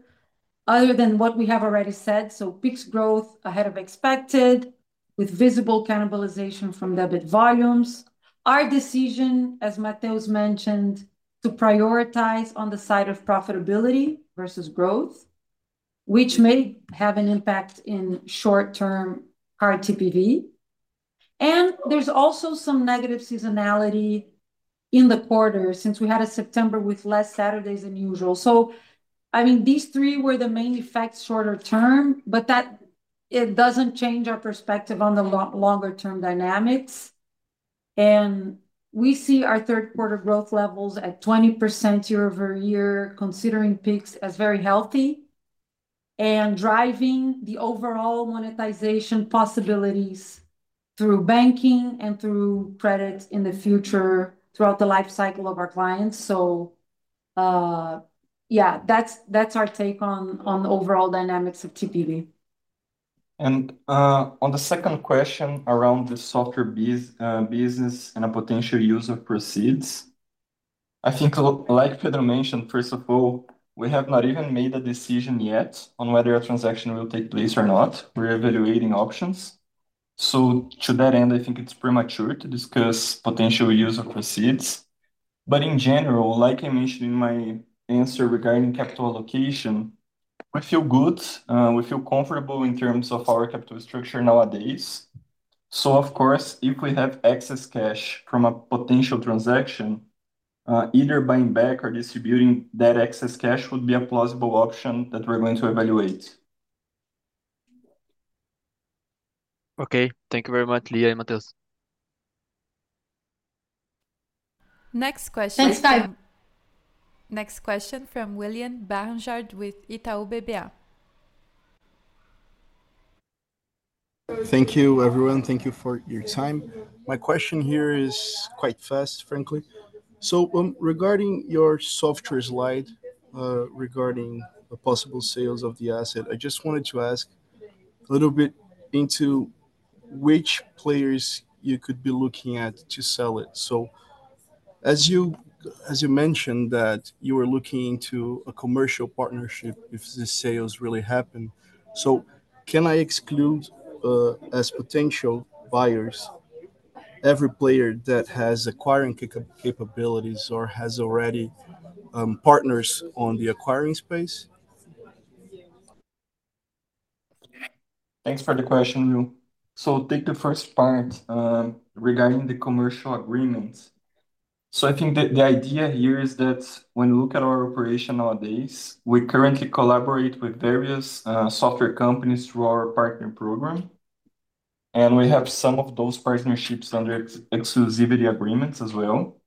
other than what we have already said. So Pix growth ahead of expected with visible cannibalization from debit volumes. Our decision, as Mateus mentioned, to prioritize on the side of profitability versus growth, which may have an impact in short-term card TPV. And there's also some negative seasonality in the quarter since we had a September with less Saturdays than usual. So I mean, these three were the main effects shorter term, but that doesn't change our perspective on the longer-term dynamics, and we see our Q3 growth levels at 20% year over year, considering Pix as very healthy and driving the overall monetization possibilities through banking and through credit in the future throughout the life cycle of our clients, so yeah, that's our take on the overall dynamics of TPV. On the second question around the software business and a potential use of proceeds, I think like Pedro mentioned, first of all, we have not even made a decision yet on whether a transaction will take place or not. We're evaluating options. So to that end, I think it's premature to discuss potential use of proceeds. But in general, like I mentioned in my answer regarding capital allocation, we feel good. We feel comfortable in terms of our capital structure nowadays. So of course, if we have excess cash from a potential transaction, either buying back or distributing that excess cash would be a plausible option that we're going to evaluate. Okay. Thank you very much, Lia and Mateus. Next question. Thanks, Kaio. Next question from William Barranjard with Itaú BBA. Thank you, everyone. Thank you for your time. My question here is quite fast, frankly. So regarding your software slide regarding the possible sales of the asset, I just wanted to ask a little bit into which players you could be looking at to sell it. So as you mentioned that you were looking into a commercial partnership if the sales really happen, so can I exclude as potential buyers every player that has acquiring capabilities or has already partners on the acquiring space? Thanks for the question, William. So take the first part regarding the commercial agreements. So I think the idea here is that when we look at our operation nowadays, we currently collaborate with various software companies through our partner program. And we have some of those partnerships under exclusivity agreements as well.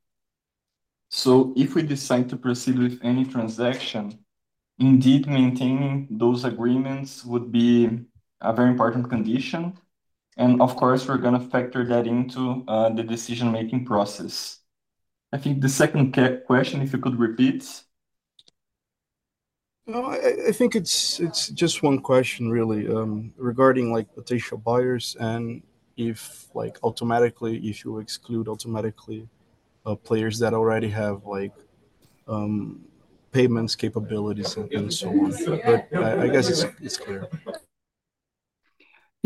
So if we decide to proceed with any transaction, indeed, maintaining those agreements would be a very important condition. And of course, we're going to factor that into the decision-making process. I think the second question, if you could repeat. I think it's just one question, really, regarding potential buyers and automatically, if you exclude automatically players that already have payments capabilities and so on. But I guess it's clear.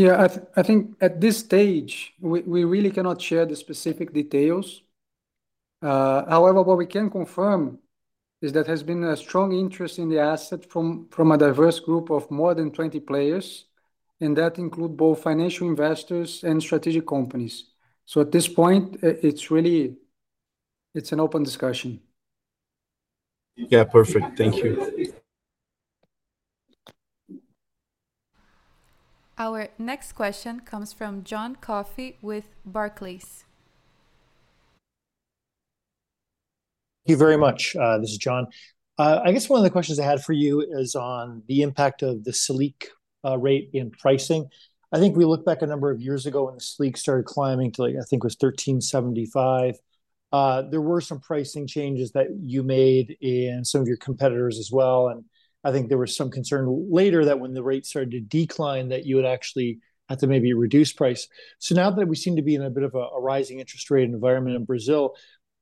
Yeah. I think at this stage, we really cannot share the specific details. However, what we can confirm is that there has been a strong interest in the asset from a diverse group of more than 20 players, and that includes both financial investors and strategic companies. So at this point, it's an open discussion. Yeah, perfect. Thank you. Our next question comes from John Coffey with Barclays. Thank you very much. This is John. I guess one of the questions I had for you is on the impact of the Selic rate in pricing. I think we looked back a number of years ago when the Selic started climbing to, I think it was 13.75. There were some pricing changes that you made in some of your competitors as well. And I think there was some concern later that when the rate started to decline, that you would actually have to maybe reduce price. So now that we seem to be in a bit of a rising interest rate environment in Brazil,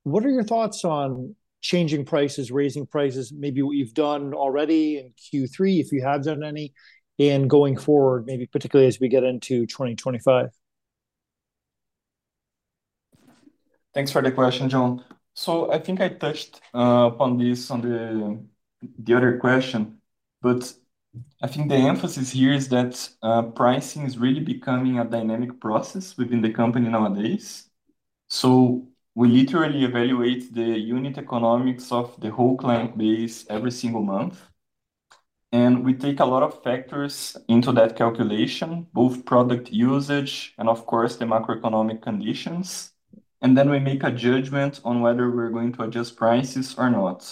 what are your thoughts on changing prices, raising prices, maybe what you've done already in Q3, if you have done any, and going forward, maybe particularly as we get into 2025? Thanks for the question, John. So I think I touched upon this on the other question, but I think the emphasis here is that pricing is really becoming a dynamic process within the company nowadays. So we literally evaluate the unit economics of the whole client base every single month. And we take a lot of factors into that calculation, both product usage and, of course, the macroeconomic conditions. And then we make a judgment on whether we're going to adjust prices or not.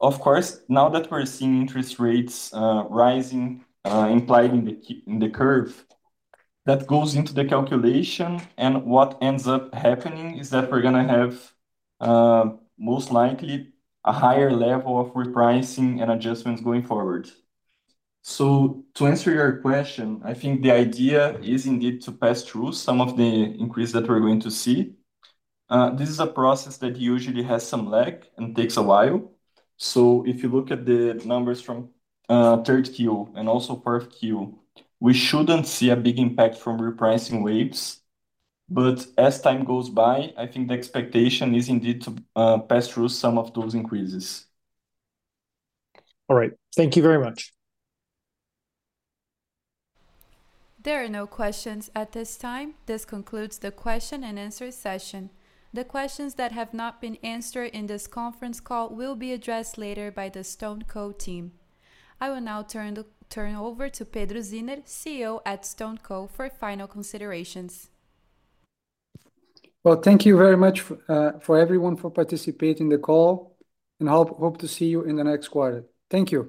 Of course, now that we're seeing interest rates rising implied in the curve, that goes into the calculation. And what ends up happening is that we're going to have most likely a higher level of repricing and adjustments going forward. So to answer your question, I think the idea is indeed to pass through some of the increase that we're going to see. This is a process that usually has some lag and takes a while. So if you look at the numbers from Q3 and also Q4, we shouldn't see a big impact from repricing waves. But as time goes by, I think the expectation is indeed to pass through some of those increases. All right. Thank you very much. There are no questions at this time. This concludes the question and answer session. The questions that have not been answered in this conference call will be addressed later by the StoneCo team. I will now turn over to Pedro Zinner, CEO at StoneCo, for final considerations. Thank you very much for everyone for participating in the call, and hope to see you in the next quarter. Thank you.